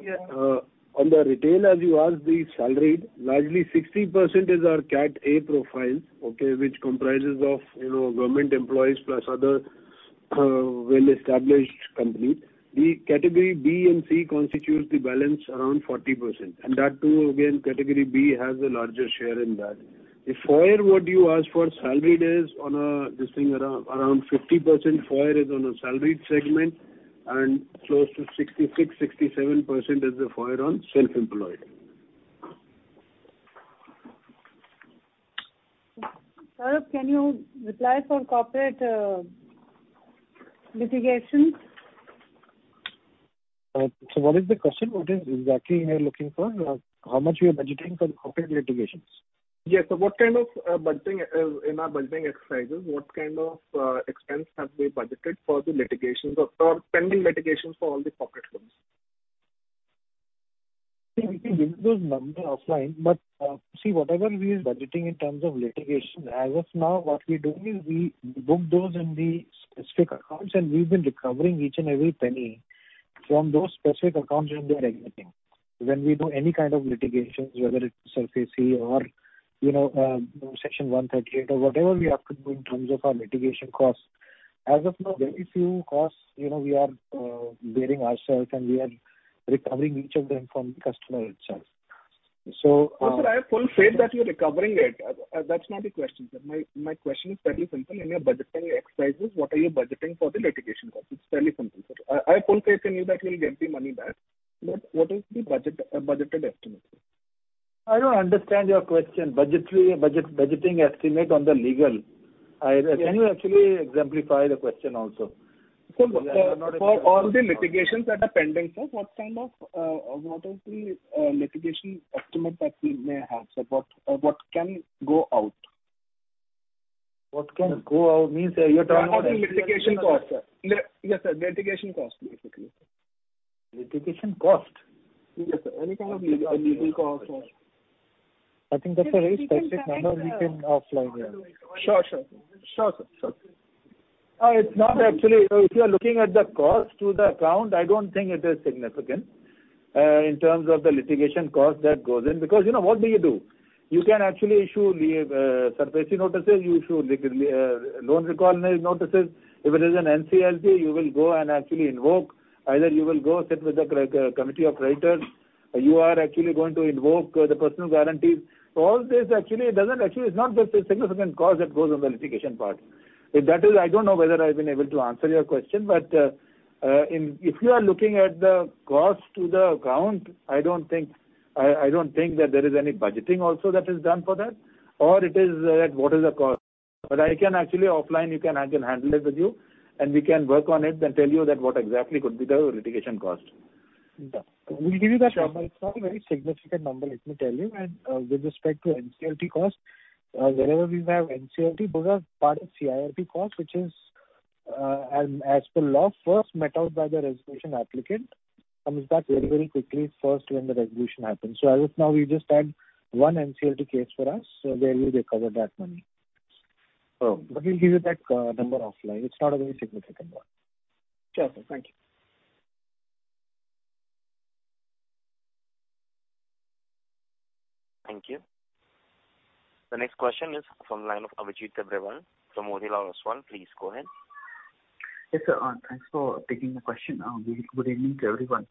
On the retail, as you asked, the salaried, largely 60% is our Cat A profile which comprises of, you know, government employees plus other, well-established company. The Category B and C constitutes the balance around 40%, and that too again, Category B has a larger share in that. The FOIR what you asked for salaried is around 50% FOIR is on a salaried segment and close to 66%-67% is the FOIR on self-employed. Sir, can you reply for corporate litigation? What is the question? What exactly are you looking for? How much are we budgeting for the corporate litigations? Yes. In our budgeting exercises, what kind of expense have we budgeted for the litigations or pending litigations for all the corporate loans? See, we can give you those numbers offline. See, whatever we are budgeting in terms of litigation as of now, what we're doing is we book those in the specific accounts, and we've been recovering each and every penny from those specific accounts when they are exiting. When we do any kind of litigations, whether it's SARFAESI or, you know, Section 138 or whatever we have to do in terms of our litigation costs, as of now, very few costs, you know, we are bearing ourselves, and we are recovering each of them from the customer itself. No, sir, I have full faith that you're recovering it. That's not the question, sir. My question is fairly simple. In your budgeting exercises, what are you budgeting for the litigation costs? It's fairly simple, sir. I have full faith in you that you'll get the money back, but what is the budget, budgeted estimate? I don't understand your question. Budgeting estimate on the legal. Yes. Can you actually exemplify the question also? For all the litigations that are pending, sir, what is the litigation estimate that we may have, sir? What can go out? What can go out means, you're talking about. Litigation costs, sir. Yes, sir. Litigation costs basically. Litigation cost? Yes, sir. Any kind of legal costs, sir. I think that's a very specific number we can offline here. Sure, sir. It's not actually if you are looking at the cost to the account. I don't think it is significant in terms of the litigation cost that goes in because, you know, what do you do? You can actually issue SARFAESI notices. You issue loan recall notices. If it is an NCLT, you will go and actually invoke. Either you will go sit with the committee of creditors. You are actually going to invoke the personal guarantees. So all this actually doesn't. Actually, it's not a significant cost that goes on the litigation part. If that is, I don't know whether I've been able to answer your question, but if you are looking at the cost to the account, I don't think that there is any budgeting also that is done for that or it is what is the cost. I can actually offline, I can handle it with you, and we can work on it and tell you that what exactly could be the litigation cost. We'll give you that number. Sure. It's not a very significant number, let me tell you. With respect to NCLT costs, wherever we have NCLT, those are part of CIRP costs, which is, as per law, first meted out by the resolution applicant, comes back very, very quickly first when the resolution happens. As of now, we just had one NCLT case for us, so there we'll recover that money. Oh. We'll give you that number offline. It's not a very significant one. Sure, sir. Thank you. Thank you. The next question is from the line of Abhijit Tibrewal from Motilal Oswal. Please go ahead. Yes, sir. Thanks for taking the question. Good evening to everyone.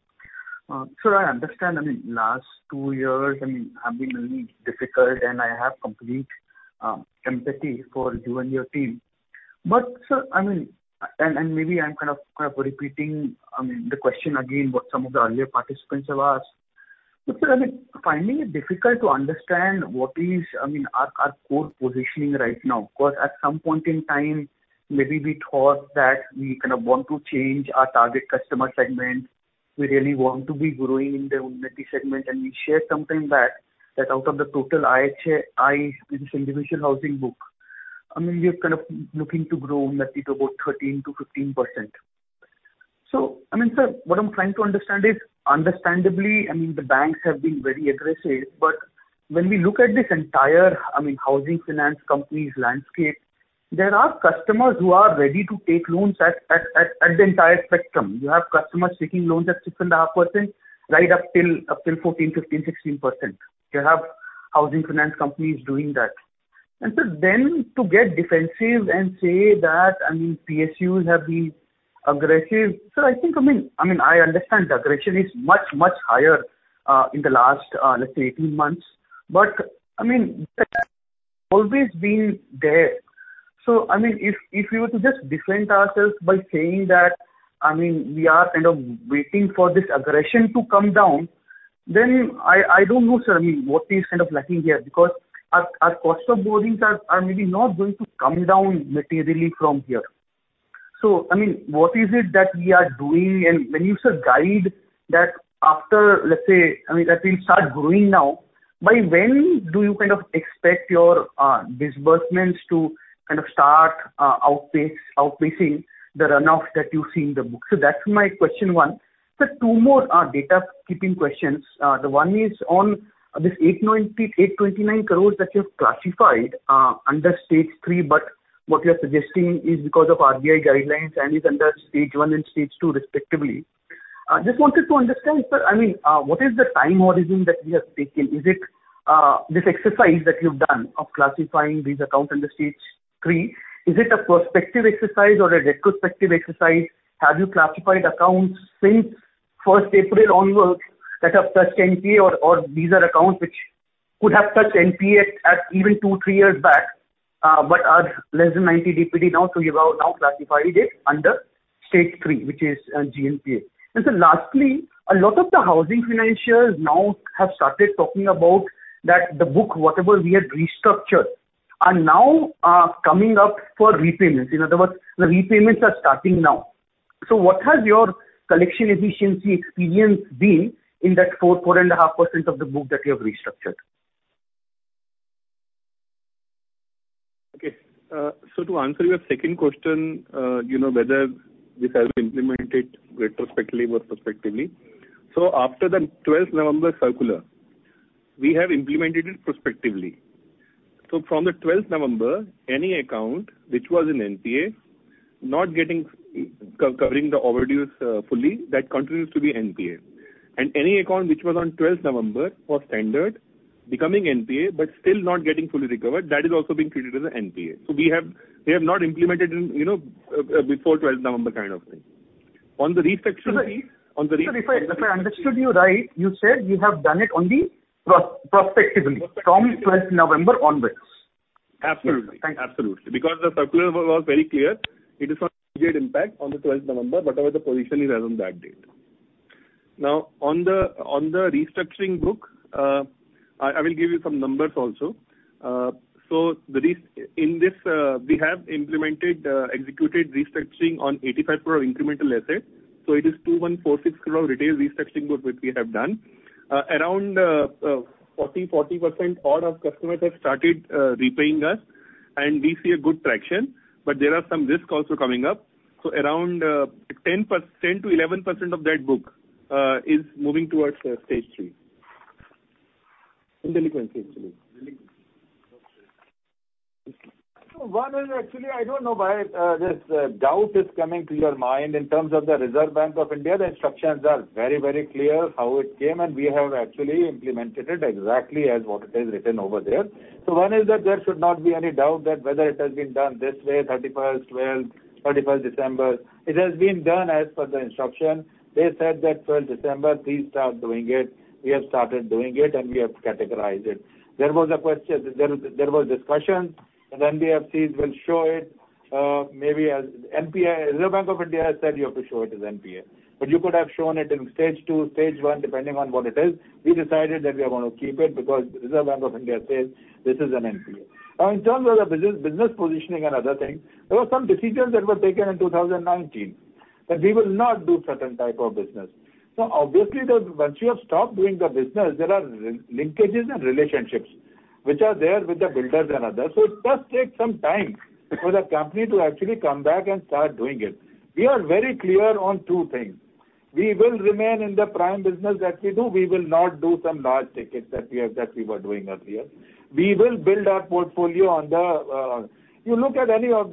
Sir, I understand, I mean, last two years, I mean, have been really difficult and I have complete empathy for you and your team. Sir, I mean, and maybe I'm kind of repeating, I mean, the question again, what some of the earlier participants have asked. Sir, I mean, finding it difficult to understand what is, I mean, our core positioning right now. 'Cause at some point in time, maybe we thought that we kind of want to change our target customer segment. We really want to be growing in the home equity segment, and we shared sometime back that out of the total IHL, I, this individual housing book, I mean, we're kind of looking to grow home equity to about 13%-15%. Sir, what I'm trying to understand is, understandably the banks have been very aggressive. When we look at this entire housing finance companies landscape, there are customers who are ready to take loans at the entire spectrum. You have customers taking loans at 6.5% right up till 14%, 15%, 16%. You have housing finance companies doing that. Sir, then to get defensive and say that PSUs have been aggressive. I understand the aggression is much, much higher in the last, let's say, 18 months. HTat's always been there. If we were to just defend ourselves by saying that we are kind of waiting for this inflation to come down, then I don't know, sir, what is kind of lacking here because our cost of borrowings are maybe not going to come down materially from here. What is it that we are doing? And when you, sir, guide that after, let's say that we'll start growing now, by when do you kind of expect your disbursements to start outpacing the runoff that you see in the book? That's my question one. Sir, two more housekeeping questions. The one is on this 889, 829 crores that you've classified under Stage 3, but what you're suggesting is because of RBI guidelines and is under Stage 1 and Stage 2 respectively. Just wanted to understand, sir, I mean, what is the time horizon that we have taken? Is it this exercise that you've done of classifying these accounts under Stage 3, is it a prospective exercise or a retrospective exercise? Have you classified accounts since first April onwards that have touched NPA or these are accounts which could have touched NPA at even two, three years back, but are less than 90 DPD now, so you have now classified it under Stage 3, which is GNPA. Sir, lastly, a lot of the housing financials now have started talking about that the book, whatever we had restructured are now, coming up for repayments. In other words, the repayments are starting now. What has your collection efficiency experience been in that 4-4.5% of the book that you have restructured? Okay. To answer your second question, you know, whether this has been implemented retrospectively or prospectively. After the twelfth November circular, we have implemented it prospectively. From the twelfth November, any account which was an NPA not covering the overdues fully, that continues to be NPA. Any account which was standard on twelfth November becoming NPA but still not fully recovered, that is also being treated as NPA. We have not implemented it, you know, before twelfth November kind of thing. On the restructuring. Sir, if I understood you right, you said you have done it only prospectively from twelfth November onwards. Absolutely. Thank you. Absolutely. Because the circular was very clear. It is no impact on the 12th November, whatever the position is as on that date. Now, on the restructuring book, I will give you some numbers also. So in this, we have executed restructuring on 85 crore incremental assets. So it is 2,146 crore retail restructuring book which we have done. Around 40% of all customers have started repaying us and we see a good traction, but there are some risks also coming up. So around 10%-11% of that book is moving towards Stage 3 in delinquency actually. One is actually, I don't know why, this doubt is coming to your mind in terms of the Reserve Bank of India. The instructions are very, very clear how it came, and we have actually implemented it exactly as what it is written over there. One is that there should not be any doubt that whether it has been done this way, 31st, 12th, 31st December. It has been done as per the instruction. They said that 12th December please start doing it. We have started doing it, and we have categorized it. There was a question, there was discussions and NBFCs will show it, maybe as NPA. Reserve Bank of India has said you have to show it as NPA. You could have shown it in Stage 2, Stage 1, depending on what it is. We decided that we are gonna keep it because Reserve Bank of India says this is an NPA. Now in terms of the business positioning and other things, there were some decisions that were taken in 2019, that we will not do certain type of business. Obviously, once you have stopped doing the business, there are linkages and relationships which are there with the builders and others. It does take some time for the company to actually come back and start doing it. We are very clear on two things. We will remain in the prime business that we do. We will not do some large tickets that we have, that we were doing earlier. We will build our portfolio on the affordable housing. You look at any of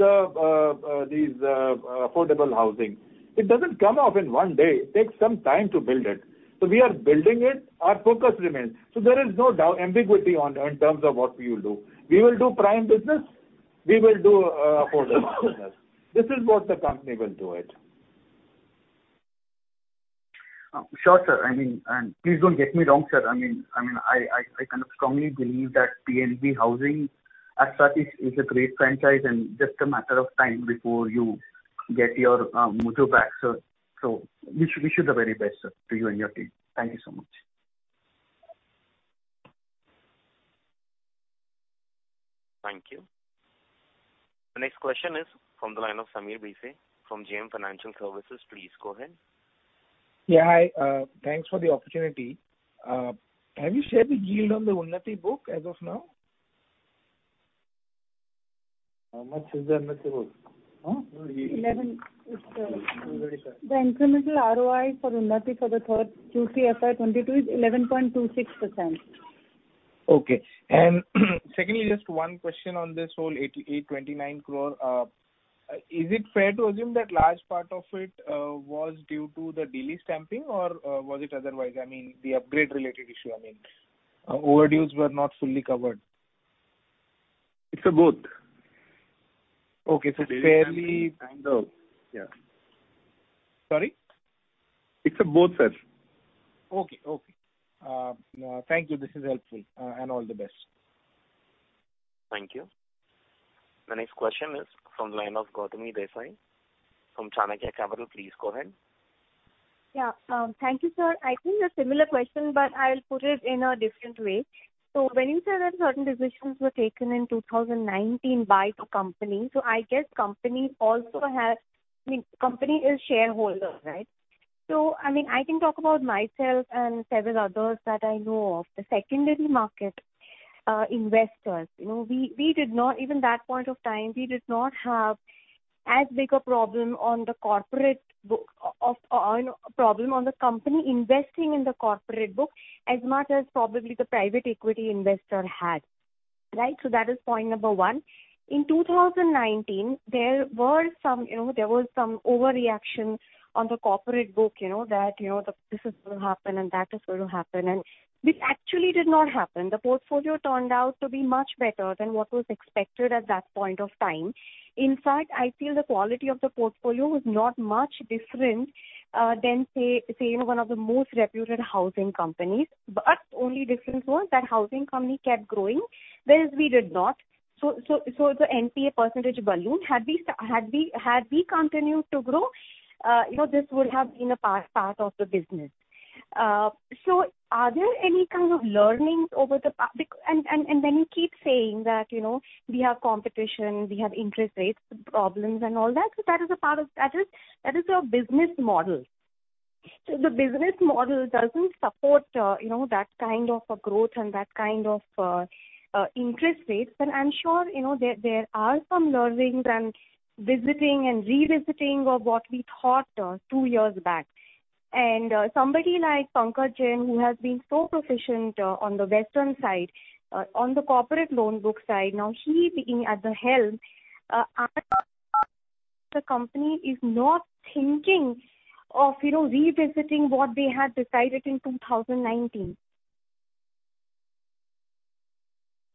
these. It doesn't come up in one day. It takes some time to build it. We are building it. Our focus remains. There is no doubt, ambiguity on, in terms of what we will do. We will do prime business. We will do affordable housing business. This is what the company will do it. Sure, sir. I mean, please don't get me wrong, sir. I mean, I kind of strongly believe that PNB Housing as such is a great franchise and just a matter of time before you get your mojo back, sir. Wish you the very best, sir, to you and your team. Thank you so much. Thank you. The next question is from the line of Sameer Bhise from JM Financial Services. Please go ahead. Yeah, hi. Thanks for the opportunity. Have you shared the yield on the Unnati book as of now? How much is the Unnati book? Huh? The yield. 11. It's You already said. The incremental ROI for Unnati for the third quarter FY 2022 is 11.26%. Okay. Secondly, just one question on this whole 8,829 crore. Is it fair to assume that large part of it was due to the daily stamping or was it otherwise? I mean, the upgrade related issue, I mean. Overdues were not fully covered. It's both. Okay. It's fairly. It's both, sir. Okay. Thank you. All the best. Thank you. The next question is from the line of Gautami Desai from Chanakya Capital. Please go ahead. Yeah. Thank you, sir. I think a similar question, but I'll put it in a different way. When you say that certain decisions were taken in 2019 by the company, I guess company also has. I mean, company is shareholder, right? I mean, I can talk about myself and several others that I know of, the secondary market investors. You know, we did not even at that point of time have as big a problem on the corporate book of, you know, problem on the company investing in the corporate book as much as probably the private equity investor had, right? That is point number one. In 2019, there was some overreaction on the corporate book, you know, that the business will happen and that is going to happen and this actually did not happen. The portfolio turned out to be much better than what was expected at that point of time. In fact, I feel the quality of the portfolio was not much different than say, you know, one of the most reputed housing companies. Only difference was that housing company kept growing whereas we did not. The NPA percentage ballooned. Had we continued to grow, you know, this would have been a part of the business. Are there any kind of learnings when you keep saying that, you know, we have competition, we have interest rates problems and all that, so that is a part of your business model. The business model doesn't support, you know, that kind of a growth and that kind of interest rates, but I'm sure, you know, there are some learnings and visiting and revisiting of what we thought two years back. Somebody like Pankaj Jain, who has been so proficient on the western side on the corporate loan book side, now he is sitting at the helm. Is the company not thinking of, you know, revisiting what they had decided in 2019.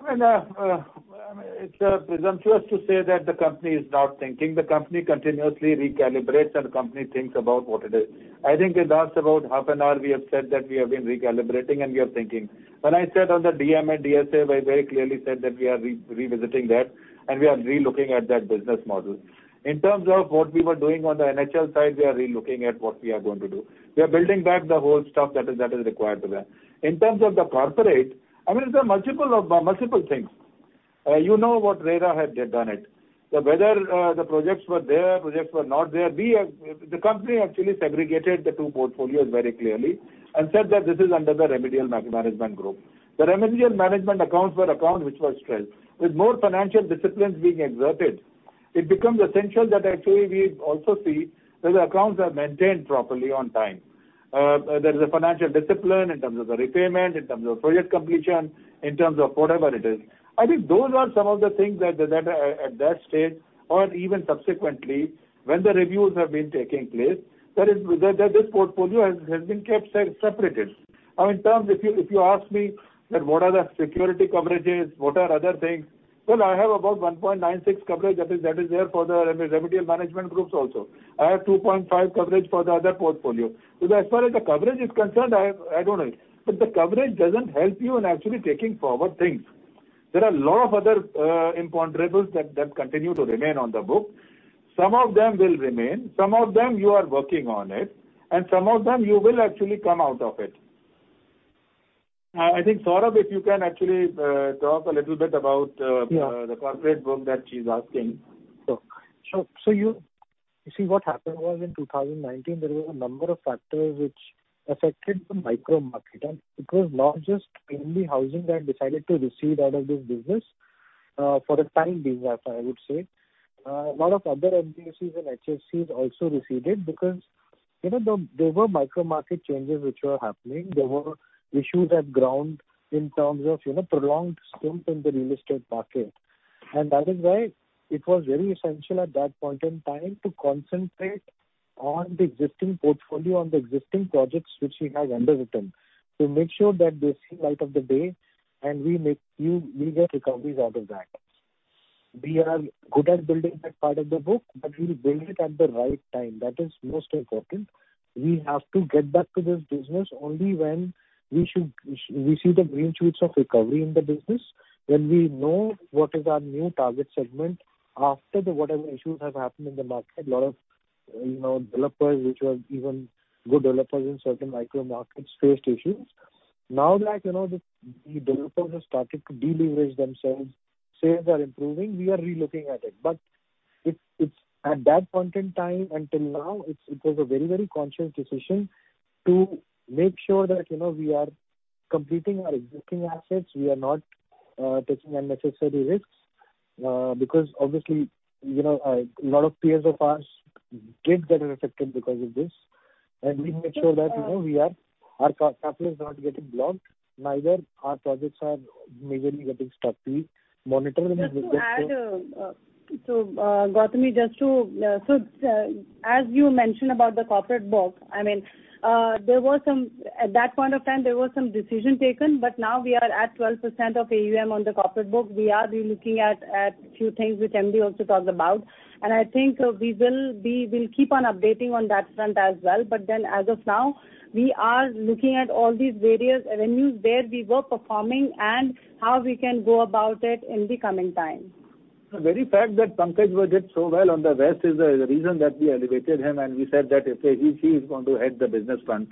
I mean, it's presumptuous to say that the company is not thinking. The company continuously recalibrates and the company thinks about what it is. I think in the last about half an hour we have said that we have been recalibrating and we are thinking. When I said on the DMA and DSA, I very clearly said that we are revisiting that and we are re-looking at that business model. In terms of what we were doing on the NHL side, we are re-looking at what we are going to do. We are building back the whole stuff that is required to that. In terms of the corporate, I mean, there are multiple things. You know what RERA had done. So whether the projects were there or not. The company actually segregated the two portfolios very clearly and said that this is under the remedial management group. The remedial management accounts were accounts which were stressed. With more financial disciplines being exerted, it becomes essential that actually we also see that the accounts are maintained properly on time. There is a financial discipline in terms of the repayment, in terms of project completion, in terms of whatever it is. I think those are some of the things that at that stage or even subsequently when the reviews have been taking place, that is, that this portfolio has been kept separated. Now, in terms of if you ask me that what are the security coverages, what are other things, well, I have about 1.96 coverage that is there for the remedial management groups also. I have 2.5 coverage for the other portfolio. As far as the coverage is concerned, I have adequate. The coverage doesn't help you in actually taking forward things. There are a lot of other imponderables that continue to remain on the book. Some of them will remain, some of them you are working on it, and some of them you will actually come out of it. I think, Saurabh, if you can actually talk a little bit about the corporate book that she's asking. You see, what happened was in 2019, there were a number of factors which affected the micro market. It was not just only housing that decided to recede out of this business, for the time being, I would say. A lot of other NBFCs and HFCs also receded because, you know, there were micro market changes which were happening. There were issues on the ground in terms of, you know, prolonged slump in the real estate market. That is why it was very essential at that point in time to concentrate on the existing portfolio, on the existing projects which we have undertaken, to make sure that they see the light of the day and we make a few legal recoveries out of that. We are good at building that part of the book, but we'll build it at the right time. That is most important. We have to get back to this business only when we should, we see the green shoots of recovery in the business, when we know what is our new target segment after the whatever issues have happened in the market. A lot of, you know, developers which were even good developers in certain micro markets faced issues. Now that, you know, the developers have started to deleverage themselves, sales are improving, we are re-looking at it. But it's at that point in time until now, it was a very conscious decision to make sure that, you know, we are completing our existing assets. We are not taking unnecessary risks, because obviously, you know, a lot of peers of ours did get affected because of this. We made sure that, you know, our capital is not getting blocked, neither our projects are majorly getting stuck. We monitor them with. Just to add, Gautami, as you mentioned about the corporate book, I mean, at that point of time, there were some decisions taken, but now we are at 12% of AUM on the corporate book. We are re-looking at few things which MD also talked about. I think we'll keep on updating on that front as well. As of now, we are looking at all these various avenues where we were performing and how we can go about it in the coming time. The very fact that Pankaj did so well on the West is the reason that we elevated him, and we said that, okay, he is going to head the business front.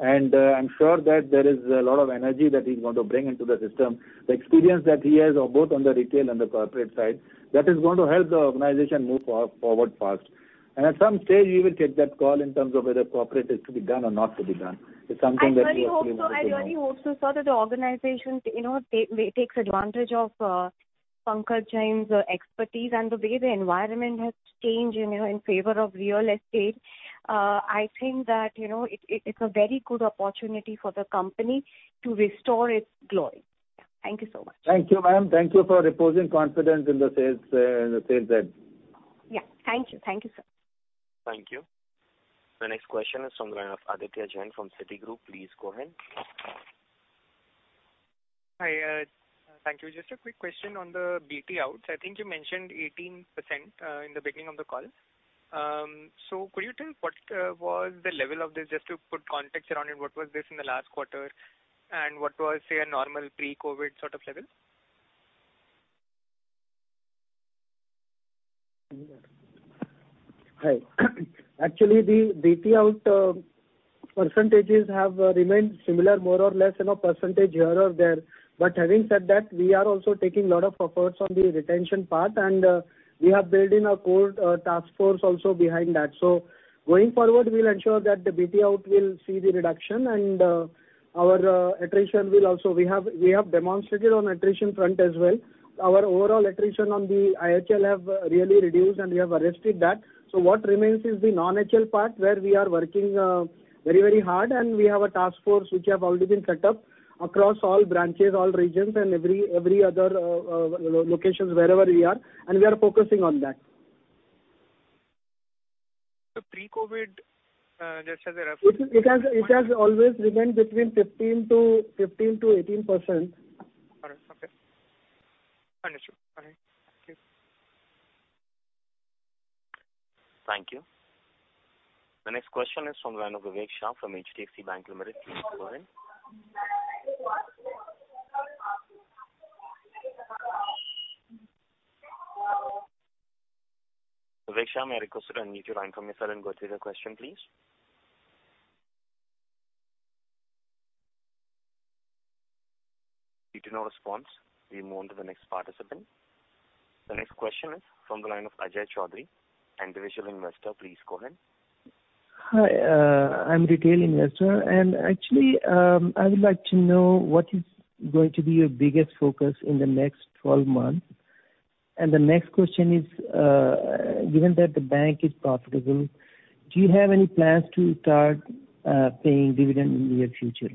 I'm sure that there is a lot of energy that he's going to bring into the system. The experience that he has both on the retail and the corporate side, that is going to help the organization move forward fast. At some stage, we will take that call in terms of whether corporate is to be done or not to be done. It's something that we actually want to do now. I really hope so. I really hope so, sir, that the organization, you know, takes advantage of Pankaj Jain's expertise and the way the environment has changed, you know, in favor of real estate. I think that, you know, it's a very good opportunity for the company to restore its glory. Thank you so much. Thank you, ma'am. Thank you for reposing confidence in the sales head. Yeah. Thank you. Thank you, sir. Thank you. The next question is from the line of Aditya Jain from Citigroup. Please go ahead. Hi, thank you. Just a quick question on the BT outs. I think you mentioned 18% in the beginning of the call. So could you tell what was the level of this, just to put context around it, what was this in the last quarter? What was, say, a normal pre-COVID sort of level? Hi. Actually, the BT out percentages have remained similar more or less, you know, percentage here or there. Having said that, we are also taking a lot of efforts on the retention part, and we have built a core task force also behind that. Going forward, we'll ensure that the BT out will see the reduction and our attrition will also. We have demonstrated on attrition front as well. Our overall attrition on the IHL have really reduced and we have arrested that. What remains is the non-HL part where we are working very, very hard and we have a task force which have already been set up across all branches, all regions and every other locations wherever we are, and we are focusing on that. Pre-COVID, just as a reference point. It has always remained between 15%-18%. All right. Okay. Understood. All right. Thank you. Thank you. The next question is from the line of Vivek Shah from HDFC Bank Limited. Please go ahead. Vivek Shah, may I request you to unmute your line from your side and go through your question, please. Due to no response, we move on to the next participant. The next question is from the line of Ajay Chaudhary, Individual Investor. Please go ahead. Hi, I'm a retail investor, and actually, I would like to know what is going to be your biggest focus in the next 12 months. The next question is, given that the bank is profitable, do you have any plans to start paying dividend in near future?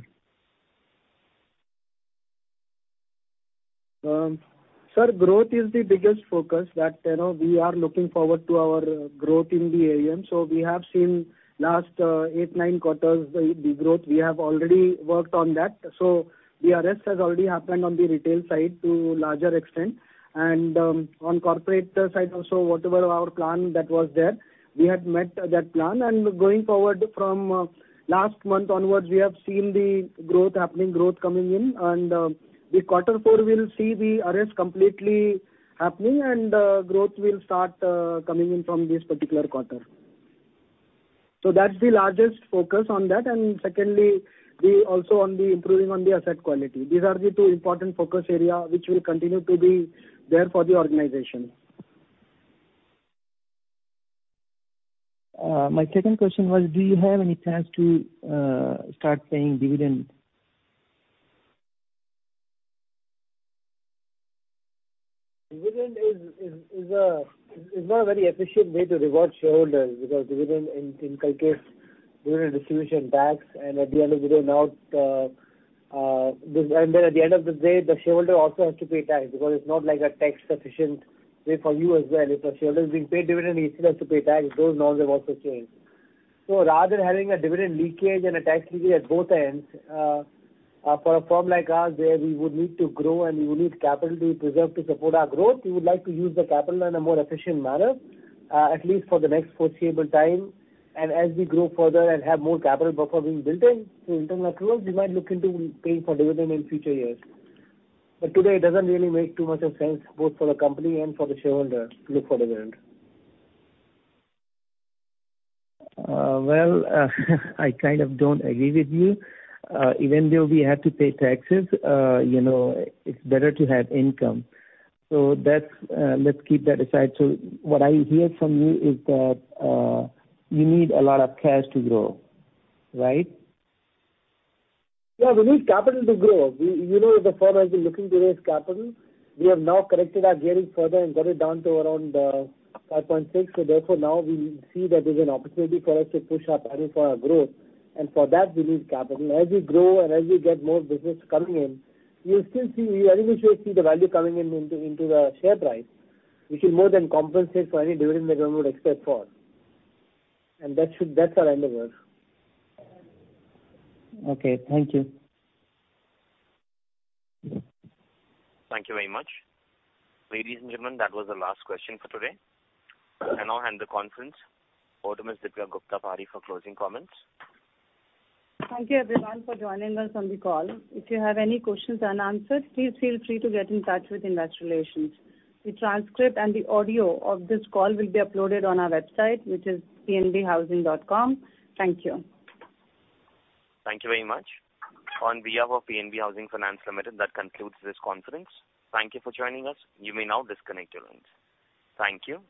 Sir, growth is the biggest focus that, you know, we are looking forward to our growth in the AUM. We have seen last 8, 9 quarters the growth. We have already worked on that. The arrest has already happened on the retail side to larger extent. On corporate side also, whatever our plan that was there, we have met that plan. Going forward from last month onwards, we have seen the growth happening, growth coming in, and the quarter four will see the arrest completely happening and growth will start coming in from this particular quarter. That's the largest focus on that. Secondly, also on improving the asset quality. These are the two important focus area which will continue to be there for the organization. My second question was, do you have any plans to start paying dividend? Dividend is not a very efficient way to reward shareholders because dividend in some case, dividend distribution tax and at the end of the day, the shareholder also has to pay tax because it's not like a tax-efficient way for you as well. If a shareholder is being paid dividend, he still has to pay tax. Those laws have also changed. Rather than having a dividend leakage and a tax leakage at both ends, for a firm like ours, where we would need to grow and we would need capital to be preserved to support our growth, we would like to use the capital in a more efficient manner, at least for the next foreseeable time. As we grow further and have more capital buffer being built in to internal accruals, we might look into paying a dividend in future years. Today it doesn't really make too much sense both for the company and for the shareholder to look for dividend. I kind of don't agree with you. Even though we have to pay taxes, you know, it's better to have income. That's. Let's keep that aside. What I hear from you is that you need a lot of cash to grow, right? Yeah. We need capital to grow. We, the firm has been looking to raise capital. We have now corrected our gearing further and got it down to around 5.6. Therefore now we see that there's an opportunity for us to push our planning for our growth. For that we need capital. As we grow and as we get more business coming in, you'll still see, I think you will see the value coming in into the share price, which will more than compensate for any dividend that one would expect for. That's our endeavor. Okay. Thank you. Thank you very much. Ladies and gentlemen, that was the last question for today. I now hand the conference over to Ms. Deepika Gupta Padhi for closing comments. Thank you everyone for joining us on the call. If you have any questions unanswered, please feel free to get in touch with Investor Relations. The transcript and the audio of this call will be uploaded on our website, which is pnbhousing.com. Thank you. Thank you very much. On behalf of PNB Housing Finance Limited, that concludes this conference. Thank you for joining us. You may now disconnect your lines. Thank you.